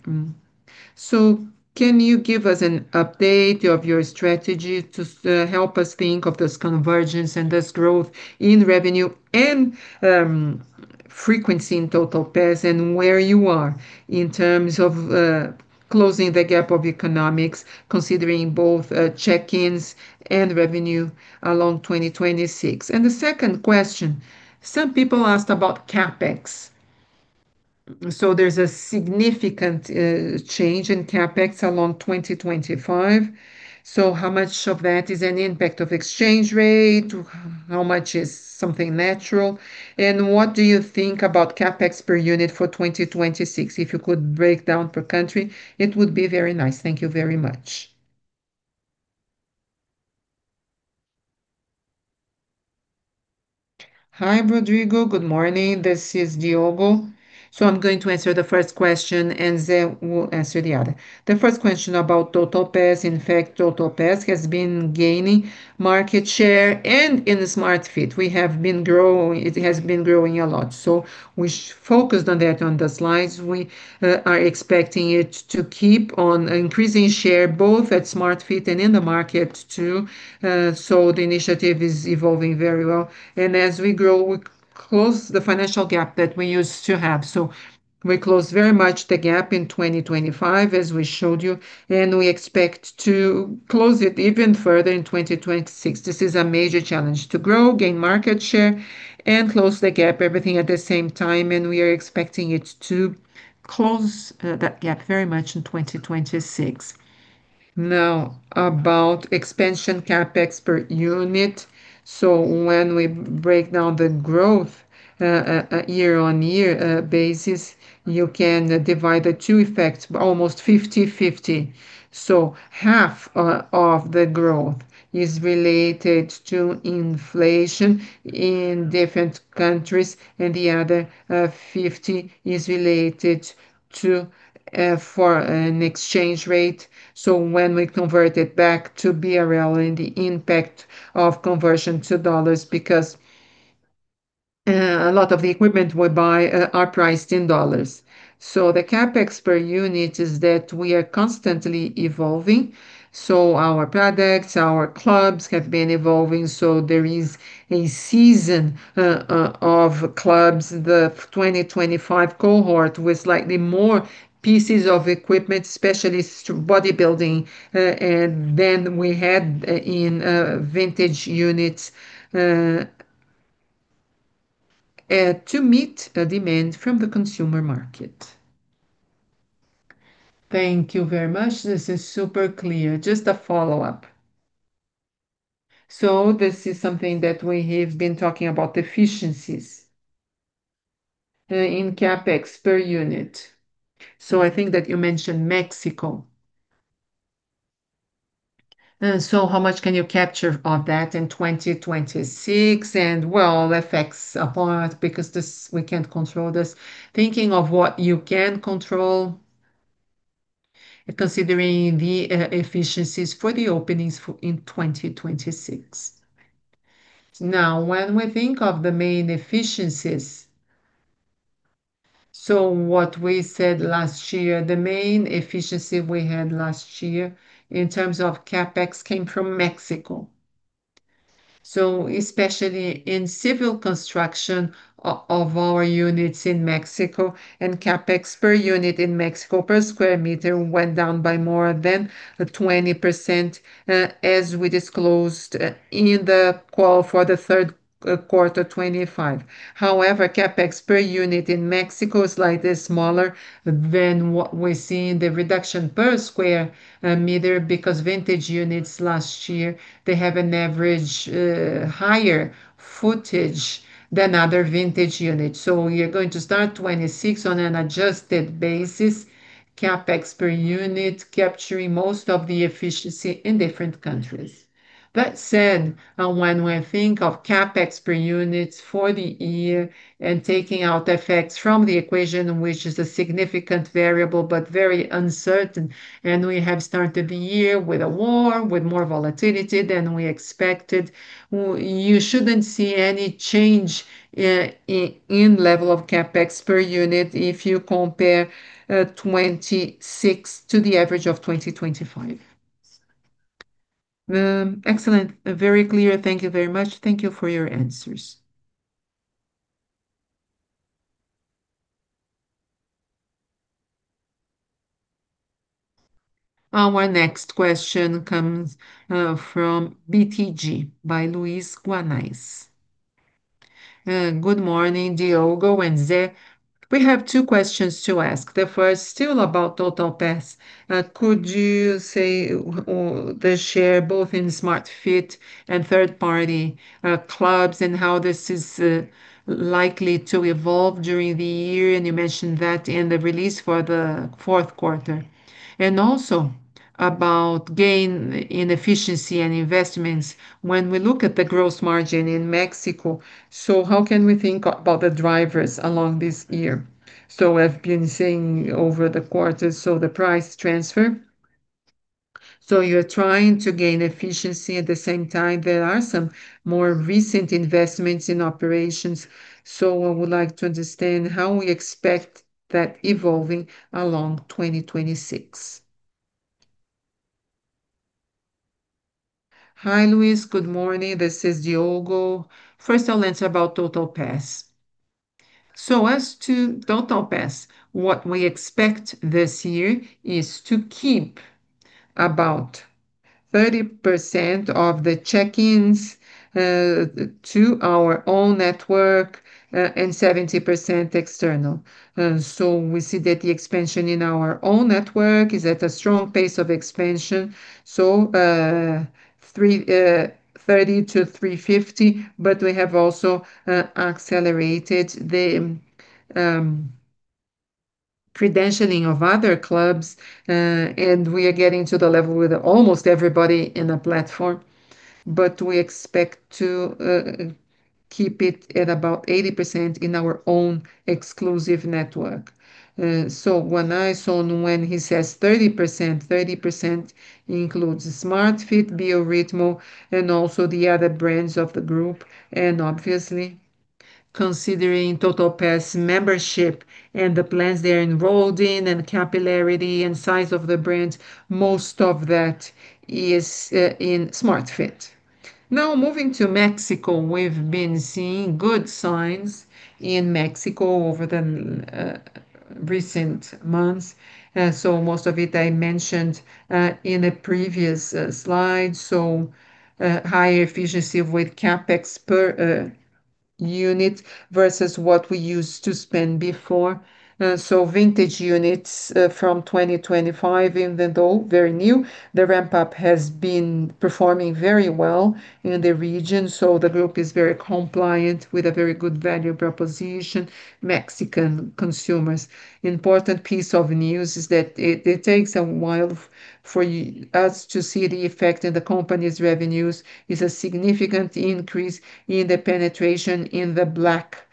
Can you give us an update of your strategy to help us think of this convergence and this growth in revenue and frequency in TotalPass and where you are in terms of closing the gap of economics, considering both check-ins and revenue along 2026. The second question, some people asked about CapEx. There's a significant change in CapEx along 2025. How much of that is an impact of exchange rate? How much is something natural? What do you think about CapEx per unit for 2026? If you could break down per country, it would be very nice. Thank you very much. Hi, Rodrigo. Good morning. This is Diogo. I'm going to answer the first question, and Zé will answer the other. The first question about TotalPass. In fact, TotalPass has been gaining market share and in the Smart Fit we have been growing, it has been growing a lot. We focused on that on the slides. We are expecting it to keep on increasing share both at Smart Fit and in the market too. So the initiative is evolving very well. As we grow, we close the financial gap that we used to have. We closed very much the gap in 2025, as we showed you, and we expect to close it even further in 2026. This is a major challenge to grow, gain market share, and close the gap, everything at the same time, and we are expecting it to close that gap very much in 2026. Now, about expansion CapEx per unit. When we break down the growth year-on-year basis, you can divide the two effects almost 50/50. Half of the growth is related to inflation in different countries, and the other 50 is related to foreign exchange rate. When we convert it back to BRL and the impact of conversion to dollars because a lot of the equipment we buy are priced in dollars. The CapEx per unit is that we are constantly evolving. Our products, our clubs have been evolving. There is a season of clubs, the 2025 cohort, with slightly more pieces of equipment, specialized bodybuilding than we had in vintage units, to meet the demand from the consumer market. Thank you very much. This is super clear. Just a follow-up. This is something that we have been talking about, efficiencies in CapEx per unit. I think that you mentioned Mexico. How much can you capture of that in 2026? Well, FX apart because we can't control this. Thinking of what you can control, considering the efficiencies for the openings in 2026. Now, when we think of the main efficiencies, what we said last year, the main efficiency we had last year in terms of CapEx came from Mexico. Especially in civil construction of our units in Mexico and CapEx per unit in Mexico per square meter went down by more than 20%, as we disclosed in the call for the third quarter 2025. However, CapEx per unit in Mexico is slightly smaller than what we see in the reduction per square meter because vintage units last year, they have an average higher footage than other vintage units. You're going to start 2026 on an adjusted basis, CapEx per unit capturing most of the efficiency in different countries. That said, when we think of CapEx per units for the year and taking out FX from the equation, which is a significant variable but very uncertain, and we have started the year with worse, with more volatility than we expected, you shouldn't see any change in level of CapEx per unit if you compare 2026 to the average of 2025. Excellent. Very clear. Thank you very much. Thank you for your answers. Our next question comes from BTG, by Luiz Guanais. Good morning, Diogo and Zé. We have two questions to ask. The first, still about TotalPass. Could you say the share both in Smart Fit and third-party clubs and how this is likely to evolve during the year? And you mentioned that in the release for the fourth quarter. About gain in efficiency and investments. When we look at the gross margin in Mexico, how can we think about the drivers along this year? I've been seeing over the quarters, the price transfer. You're trying to gain efficiency. At the same time, there are some more recent investments in operations. I would like to understand how we expect that evolving along 2026. Hi, Luis. Good morning. This is Diogo. First, I'll answer about TotalPass. As to TotalPass, what we expect this year is to keep about 30% of the check-ins to our own network and 70% external. We see that the expansion in our own network is at a strong pace of expansion, 330-350, but we have also accelerated the credentialing of other clubs. We are getting to the level with almost everybody in the platform, but we expect to keep it at about 80% in our own exclusive network. When he says 30%, 30% includes Smart Fit, Bio Ritmo, and also the other brands of the group. Obviously, considering TotalPass membership and the plans they're enrolled in and capillarity and size of the brands, most of that is in Smart Fit. Now, moving to Mexico. We've been seeing good signs in Mexico over the recent months. Most of it I mentioned in a previous slide. Higher efficiency with CapEx per unit versus what we used to spend before. Vintage units, from 2025 in total, very new. The ramp-up has been performing very well in the region, the group is very compliant with a very good value proposition Mexican consumers. Important piece of news is that it takes a while for us to see the effect in the company's revenues is a significant increase in the penetration in the Black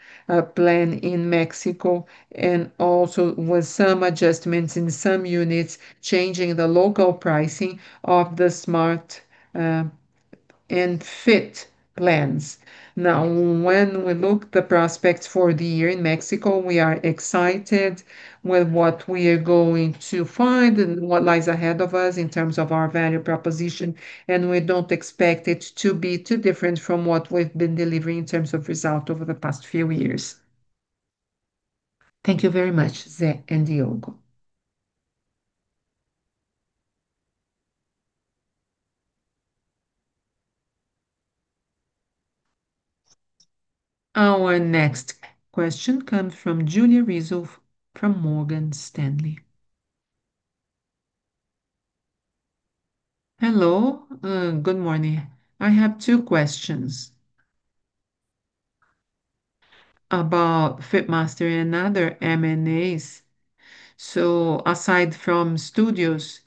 Plan in Mexico, and also with some adjustments in some units, changing the local pricing of the Smart Fit plans. Now, when we look the prospects for the year in Mexico, we are excited with what we are going to find and what lies ahead of us in terms of our value proposition, and we don't expect it to be too different from what we've been delivering in terms of result over the past few years. Thank you very much, Zé and Diogo. Our next question comes from Julia Rizzo from Morgan Stanley. Hello, good morning. I have two questions about Fit Master and other M&As. Aside from studios,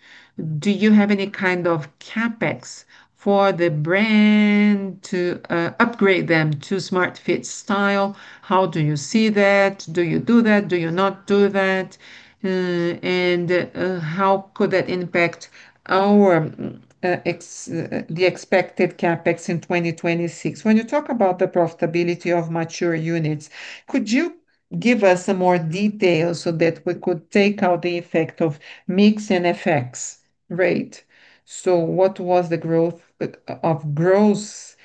do you have any kind of CapEx for the brand to upgrade them to Smart Fit style? How do you see that? Do you do that? Do you not do that? And how could that impact our expected CapEx in 2026? When you talk about the profitability of mature units, could you give us some more details so that we could take out the effect of mix and FX rate? What was the growth of gross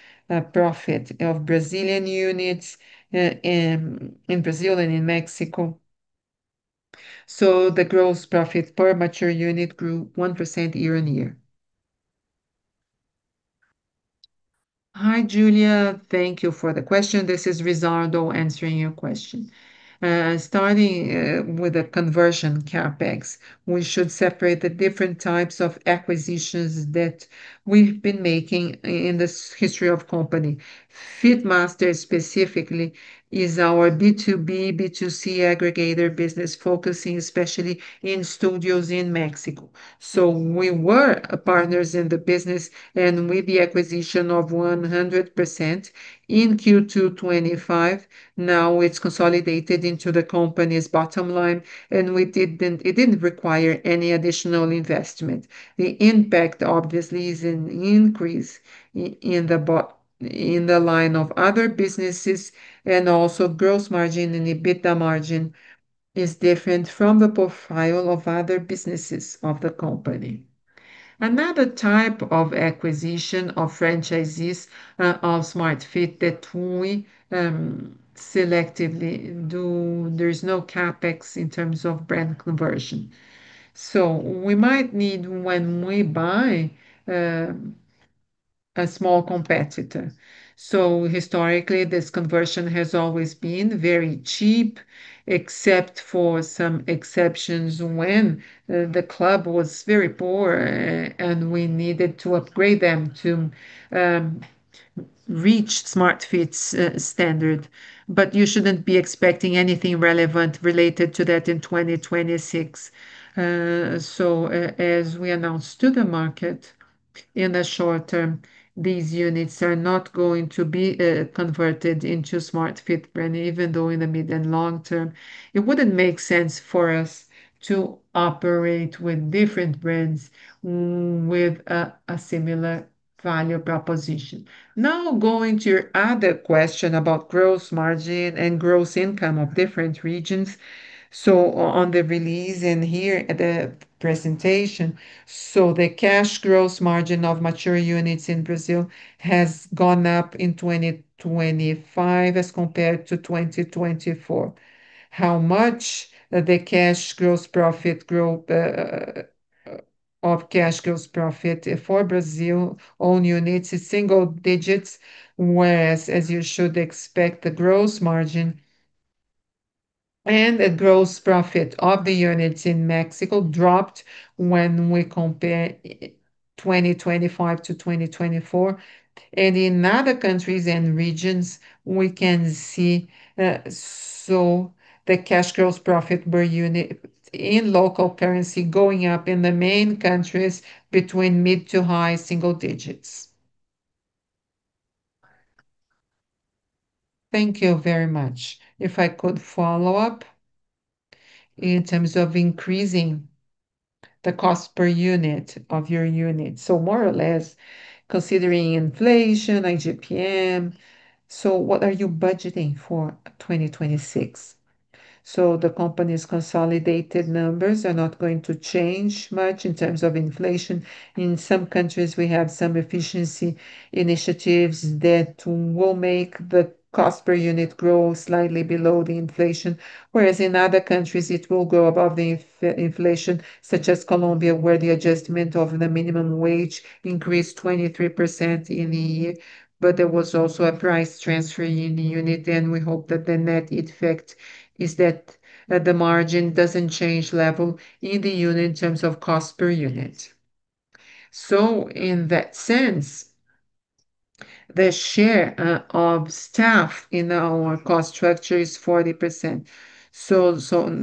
profit of Brazilian units in Brazil and in Mexico? The gross profit per mature unit grew 1% year-on-year. Hi, Julia. Thank you for the question. This is Rizzardo answering your question. Starting with the conversion CapEx. We should separate the different types of acquisitions that we've been making in this history of company. Fit Master specifically is our B2B, B2C aggregator business focusing especially in studios in Mexico. We were partners in the business, and with the acquisition of 100% in Q2 2025, now it's consolidated into the company's bottom line, and it didn't require any additional investment. The impact obviously is an increase in the line of other businesses and also gross margin and EBITDA margin is different from the profile of other businesses of the company. Another type of acquisition of franchisees of Smart Fit that we selectively do, there's no CapEx in terms of brand conversion. We might need when we buy a small competitor. Historically, this conversion has always been very cheap, except for some exceptions when the club was very poor and we needed to upgrade them to reach Smart Fit's standard. You shouldn't be expecting anything relevant related to that in 2026. As we announced to the market, in the short term, these units are not going to be converted into Smart Fit brand, even though in the mid and long term, it wouldn't make sense for us to operate with different brands with a similar value proposition. Now, going to your other question about gross margin and gross income of different regions. On the release and here at the presentation, the cash gross margin of mature units in Brazil has gone up in 2025 as compared to 2024. How much? The cash gross profit growth of cash gross profit for Brazil own units is single digits, whereas, as you should expect, the gross margin and the gross profit of the units in Mexico dropped when we compare 2025 to 2024. In other countries and regions, we can see, so the cash gross profit per unit in local currency going up in the main countries between mid- to high-single digits. Thank you very much. If I could follow up in terms of increasing the cost per unit of your unit. More or less considering inflation, IGPM, so what are you budgeting for 2026? The company's consolidated numbers are not going to change much in terms of inflation. In some countries, we have some efficiency initiatives that will make the cost per unit grow slightly below the inflation, whereas in other countries, it will grow above the inflation, such as Colombia, where the adjustment of the minimum wage increased 23% in the year. There was also a price transfer in the unit, and we hope that the net effect is that the margin doesn't change level in the unit in terms of cost per unit. In that sense, the share of staff in our cost structure is 40%.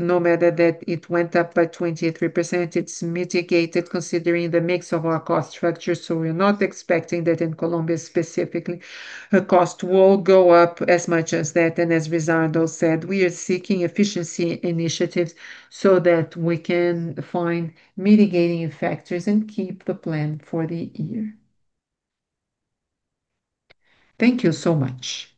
No matter that it went up by 23%, it's mitigated considering the mix of our cost structure, so we're not expecting that in Colombia specifically. The cost will go up as much as that, and as Rizzardo said, we are seeking efficiency initiatives so that we can find mitigating factors and keep the plan for the year. Thank you so much.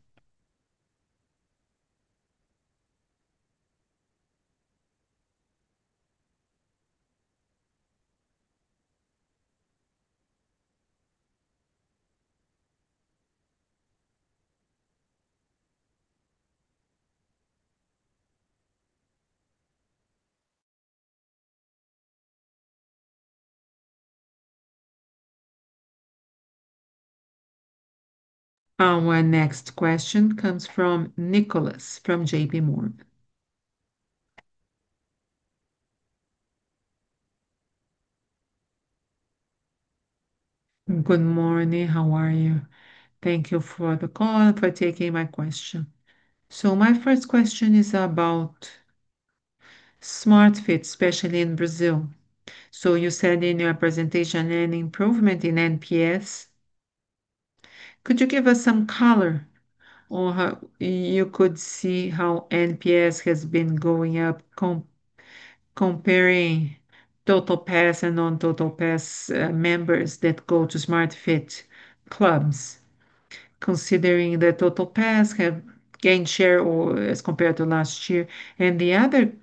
Our next question comes from Nicholas from J.P. Morgan. Good morning. How are you? Thank you for the call and for taking my question. My first question is about Smart Fit, especially in Brazil. You said in your presentation an improvement in NPS. Could you give us some color on how you could see how NPS has been going up comparing TotalPass and non-TotalPass members that go to Smart Fit clubs, considering the TotalPass have gained share or as compared to last year? The other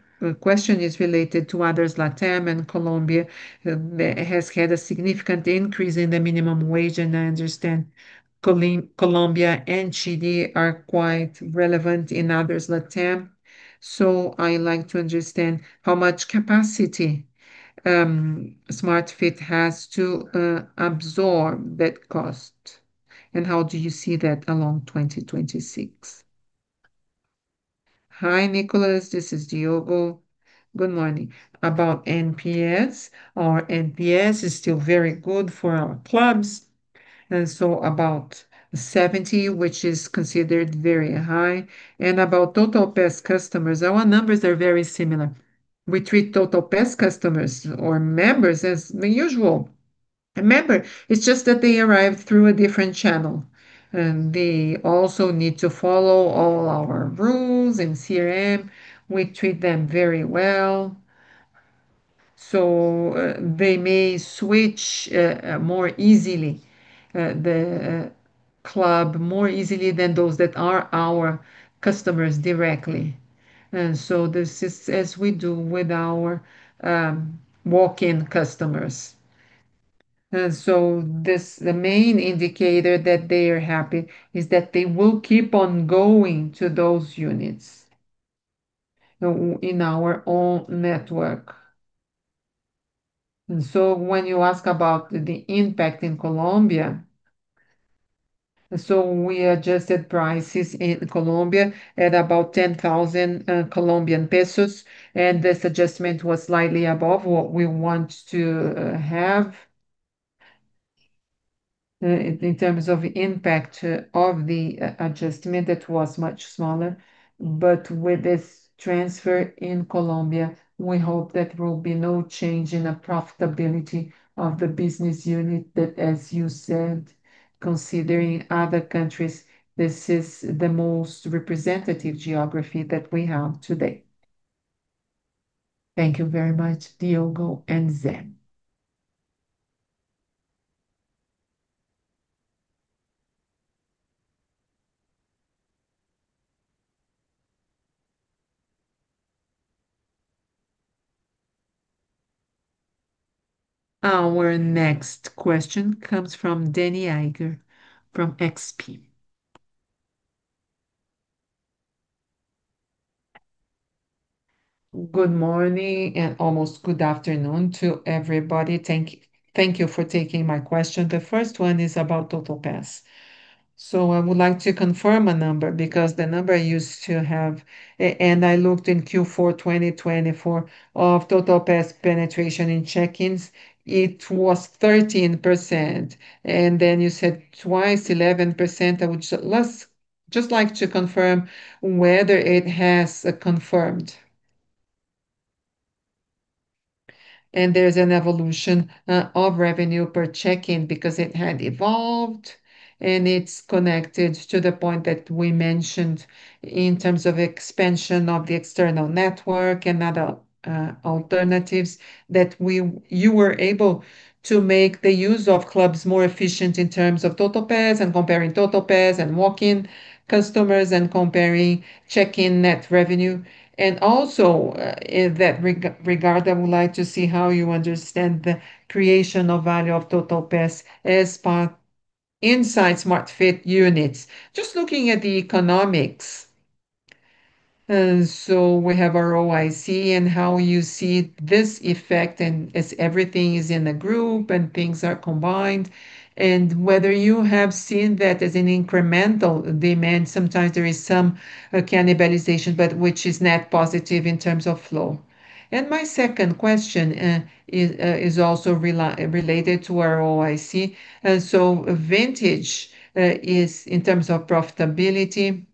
question is related to others LatAm and Colombia has had a significant increase in the minimum wage, and I understand Colombia and Chile are quite relevant in others LatAm. I like to understand how much capacity Smart Fit has to absorb that cost, and how do you see that along 2026? Hi, Nicolas. This is Diogo. Good morning. About NPS, our NPS is still very good for our clubs, and so about 70, which is considered very high. About TotalPass customers, our numbers are very similar. We treat TotalPass customers or members as the usual member. It's just that they arrive through a different channel, and they also need to follow all our rules and CRM. We treat them very well. They may switch the club more easily than those that are our customers directly. This is as we do with our walk-in customers. The main indicator that they are happy is that they will keep on going to those units in our own network. When you ask about the impact in Colombia, we adjusted prices in Colombia at about COP 10,000, and this adjustment was slightly above what we want to have. In terms of impact of the adjustment, that was much smaller. With this transfer in Colombia, we hope that there will be no change in the profitability of the business unit that, as you said, considering other countries, this is the most representative geography that we have today. Thank you very much, Diogo and Zé. Our next question comes from Dannie Eiger from XP. Good morning and almost good afternoon to everybody. Thank you for taking my question. The first one is about TotalPass. I would like to confirm a number because the number I used to have, and I looked in Q4 2024 of TotalPass penetration in check-ins, it was 13%. And then you said twice 11%. I would just like to confirm whether it has confirmed. There's an evolution of revenue per check-in because it had evolved, and it's connected to the point that we mentioned in terms of expansion of the external network and other alternatives that you were able to make the use of clubs more efficient in terms of TotalPass and comparing TotalPass and walk-in customers and comparing check-in net revenue. In that regard, I would like to see how you understand the creation of value of TotalPass as part inside Smart Fit units, just looking at the economics. We have our ROIC and how you see this effect and as everything is in the group and things are combined and whether you have seen that as an incremental demand. Sometimes there is some cannibalization, but which is net positive in terms of flow. My second question is also related to our ROIC. Vintage is in terms of profitability,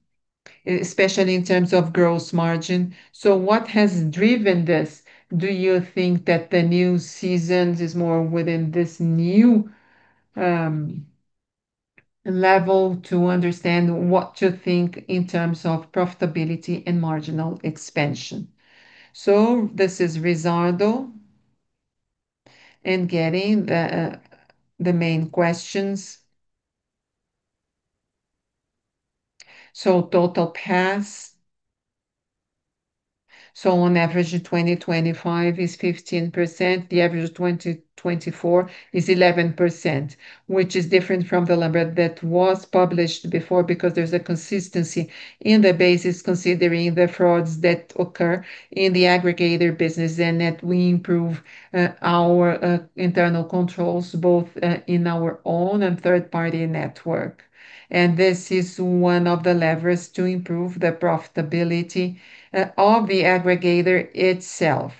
especially in terms of gross margin. What has driven this? Do you think that the new stores is more within this new level to understand what to think in terms of profitability and marginal expansion? This is Rizzardo answering the main questions. TotalPass. On average, 2025 is 15%. The average of 2024 is 11%, which is different from the number that was published before because there's a consistency in the bases considering the frauds that occur in the aggregator business and that we improve our internal controls, both in our own and third-party network. This is one of the levers to improve the profitability of the aggregator itself.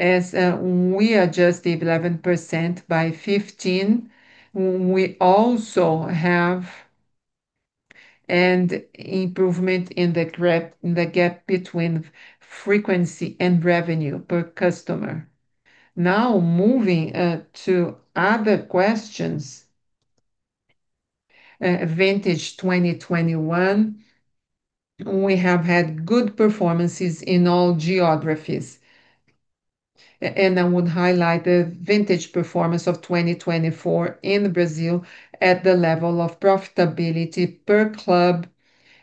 We adjust the 11% by 15, we also have an improvement in the gap between frequency and revenue per customer. Now, moving to other questions. Vintage 2021, we have had good performances in all geographies. I would highlight the vintage performance of 2024 in Brazil at the level of profitability per club,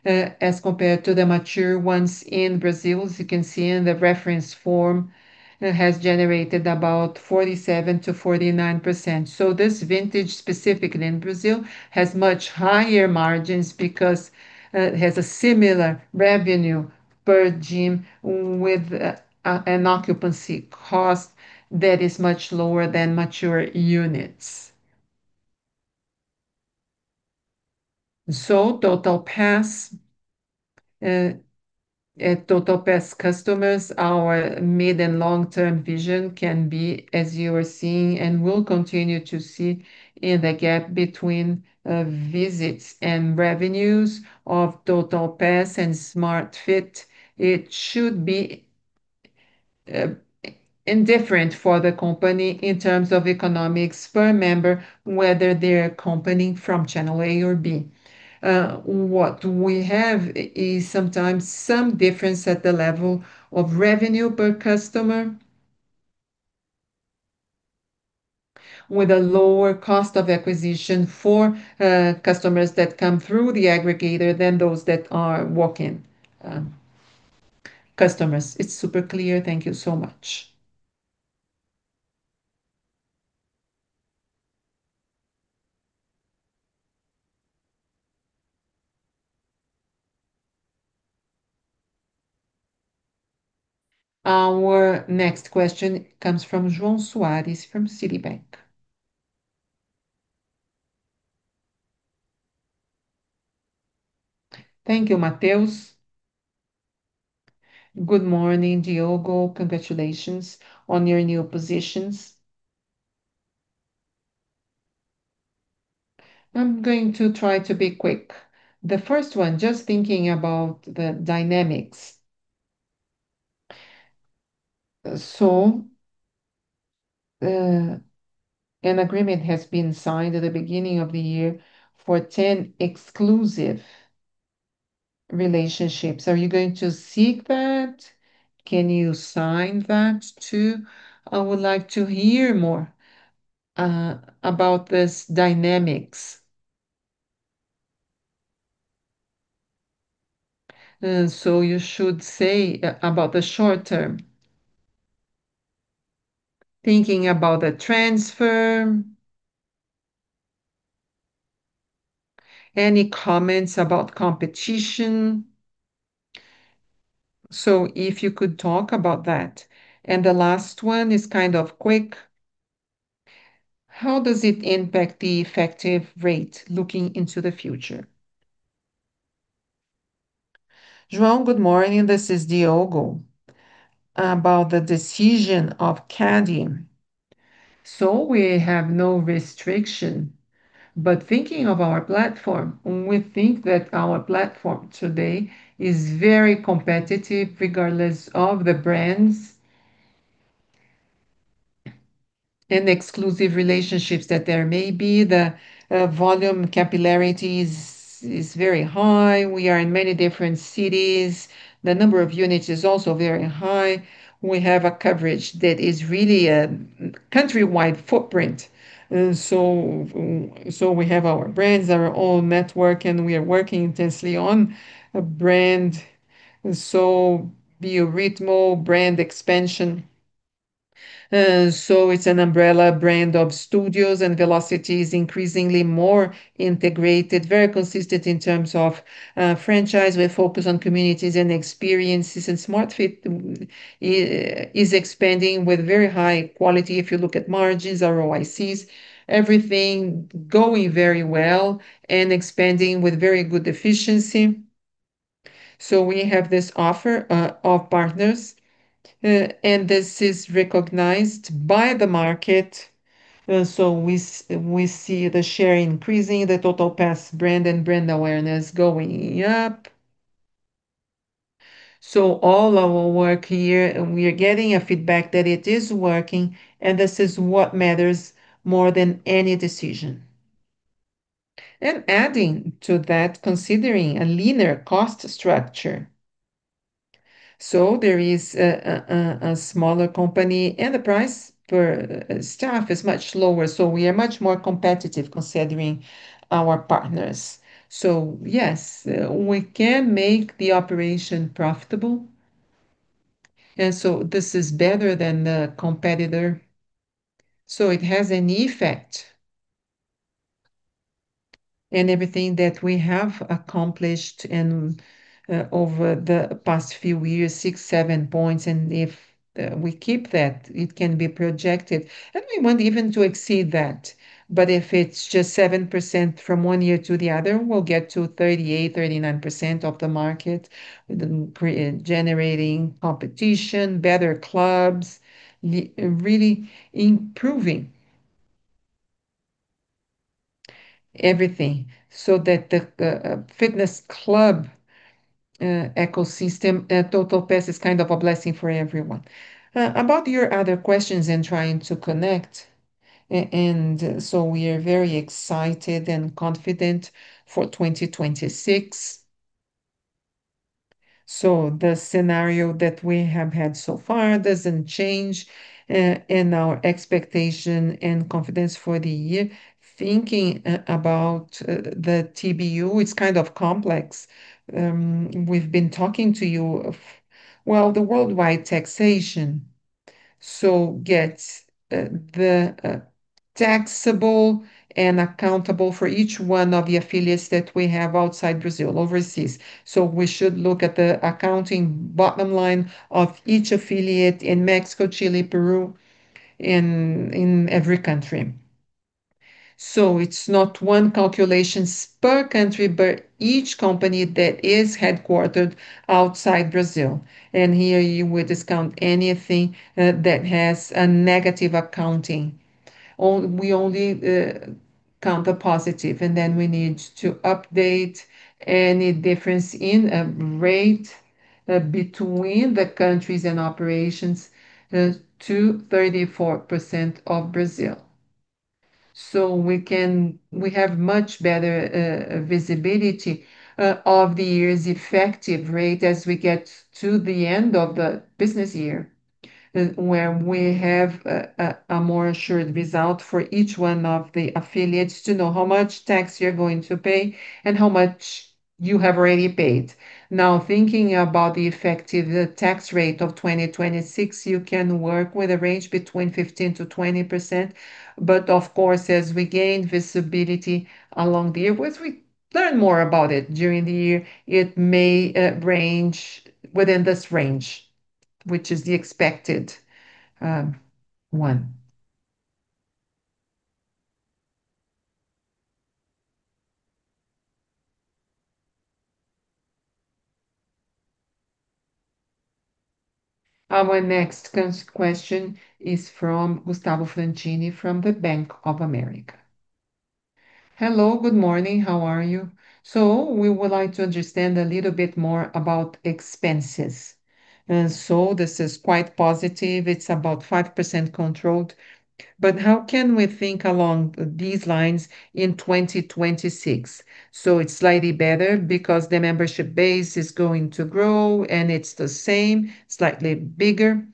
as compared to the mature ones in Brazil. As you can see in the reference form, it has generated about 47%-49%. This vintage, specifically in Brazil, has much higher margins because it has a similar revenue per gym with an occupancy cost that is much lower than mature units. TotalPass customers, our mid and long-term vision can be as you are seeing and will continue to see in the gap between visits and revenues of TotalPass and Smart Fit. It should be indifferent for the company in terms of economics per member, whether they're coming from channel A or B. What we have is sometimes some difference at the level of revenue per customer with a lower cost of acquisition for customers that come through the aggregator than those that are walk-in customers. It's super clear. Thank you so much. Our next question comes from João Soares from Citibank. Thank you, Matheus. Good morning, Diogo. Congratulations on your new positions. I'm going to try to be quick. The first one, just thinking about the dynamics. An agreement has been signed at the beginning of the year for 10 exclusive relationships. Are you going to seek that? Can you sign that too? I would like to hear more about this dynamics. You should say about the short term. Thinking about the transfer. Any comments about competition? If you could talk about that. The last one is kind of quick. How does it impact the effective rate looking into the future? João, good morning. This is Diogo. About the decision of CADE. We have no restriction, but thinking of our platform, we think that our platform today is very competitive regardless of the brands and exclusive relationships that there may be. The volume capillarity is very high. We are in many different cities. The number of units is also very high. We have a coverage that is really a countrywide footprint. We have our brands, our own network, and we are working intensely on a brand. Bio Ritmo brand expansion. It's an umbrella brand of studios, and Velocity is increasingly more integrated, very consistent in terms of franchise. We focus on communities and experiences. Smart Fit is expanding with very high quality. If you look at margins, ROICs, everything going very well and expanding with very good efficiency. We have this offer of partners. This is recognized by the market, so we see the share increasing, the TotalPass brand and brand awareness going up. All our work here, and we are getting feedback that it is working, and this is what matters more than any decision. Adding to that, considering a leaner cost structure. There is a smaller company, and the price for staff is much lower, so we are much more competitive considering our partners. Yes, we can make the operation profitable, and this is better than the competitor, so it has an effect. Everything that we have accomplished over the past few years, 6, 7 points, and if we keep that, it can be projected. We want even to exceed that. If it's just 7% from one year to the other, we'll get to 38%-39% of the market generating competition, better clubs, really improving everything so that the fitness club ecosystem, TotalPass is kind of a blessing for everyone. About your other questions in trying to connect, we are very excited and confident for 2026. The scenario that we have had so far doesn't change, and our expectation and confidence for the year. Thinking about the TBU, it's kind of complex. We've been talking to you about, well, the worldwide taxation. To get the taxable and accountable for each one of the affiliates that we have outside Brazil, overseas. We should look at the accounting bottom line of each affiliate in Mexico, Chile, Peru, in every country. It's not one calculation per country, but each company that is headquartered outside Brazil, and here you will discount anything that has a negative accounting, or we only count the positive, and then we need to update any difference in rate between the countries and operations to 34% of Brazil. We have much better visibility of the year's effective rate as we get to the end of the business year, where we have a more assured result for each one of the affiliates to know how much tax you're going to pay and how much you have already paid. Now, thinking about the effective tax rate of 2026, you can work with a range between 15%-20%, but of course, as we gain visibility along the year, once we learn more about it during the year, it may range within this range, which is the expected one. Our next question is from Gustavo Franchini from Bank of America. Hello, good morning. How are you? We would like to understand a little bit more about expenses. This is quite positive. It's about 5% controlled. How can we think along these lines in 2026? It's slightly better because the membership base is going to grow, and it's the same, slightly bigger.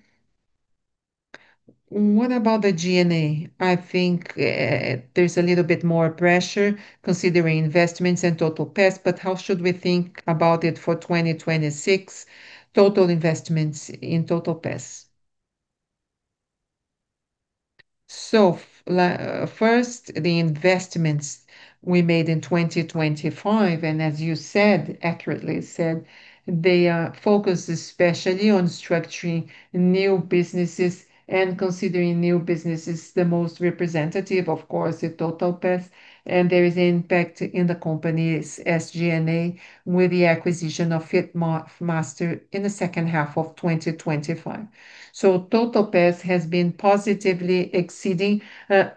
What about the G&A? I think, there's a little bit more pressure considering investments in TotalPass, but how should we think about it for 2026, total investments in TotalPass? First, the investments we made in 2025, and as you said, accurately said, they are focused especially on structuring new businesses, and considering new business is the most representative, of course, the TotalPass, and there is impact in the company's SG&A with the acquisition of Fit Master in the second half of 2025. TotalPass has been positively exceeding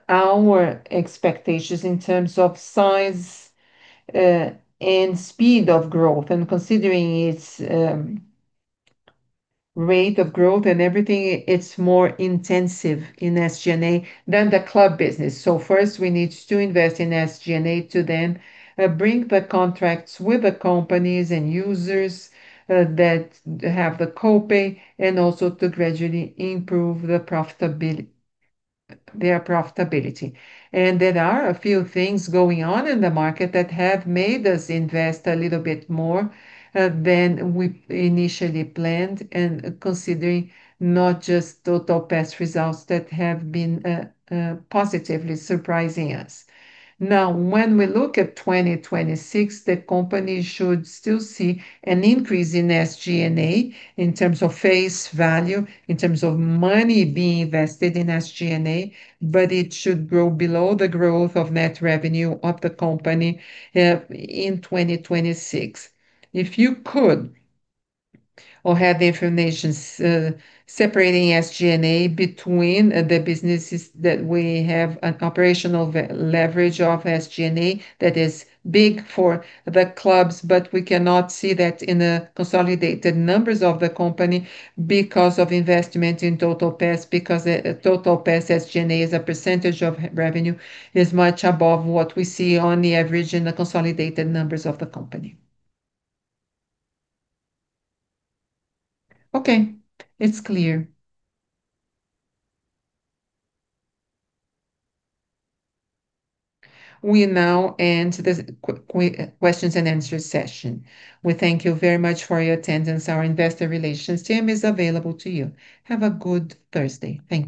our expectations in terms of size and speed of growth, and considering its rate of growth and everything, it's more intensive in SG&A than the club business. First, we need to invest in SG&A to then bring the contracts with the companies and users that have the co-pay, and also to gradually improve the profitability, their profitability. There are a few things going on in the market that have made us invest a little bit more than we initially planned, and considering not just TotalPass results that have been positively surprising us. Now, when we look at 2026, the company should still see an increase in SG&A in terms of face value, in terms of money being invested in SG&A, but it should grow below the growth of net revenue of the company in 2026. If you could or have the information separating SG&A between the businesses that we have an operational leverage of SG&A that is big for the clubs, but we cannot see that in the consolidated numbers of the company because of investment in TotalPass, because TotalPass SG&A as a percentage of revenue is much above what we see on the average in the consolidated numbers of the company. Okay, it's clear. We now end this questions and answer session. We thank you very much for your attendance. Our investor relations team is available to you. Have a good Thursday. Thank you.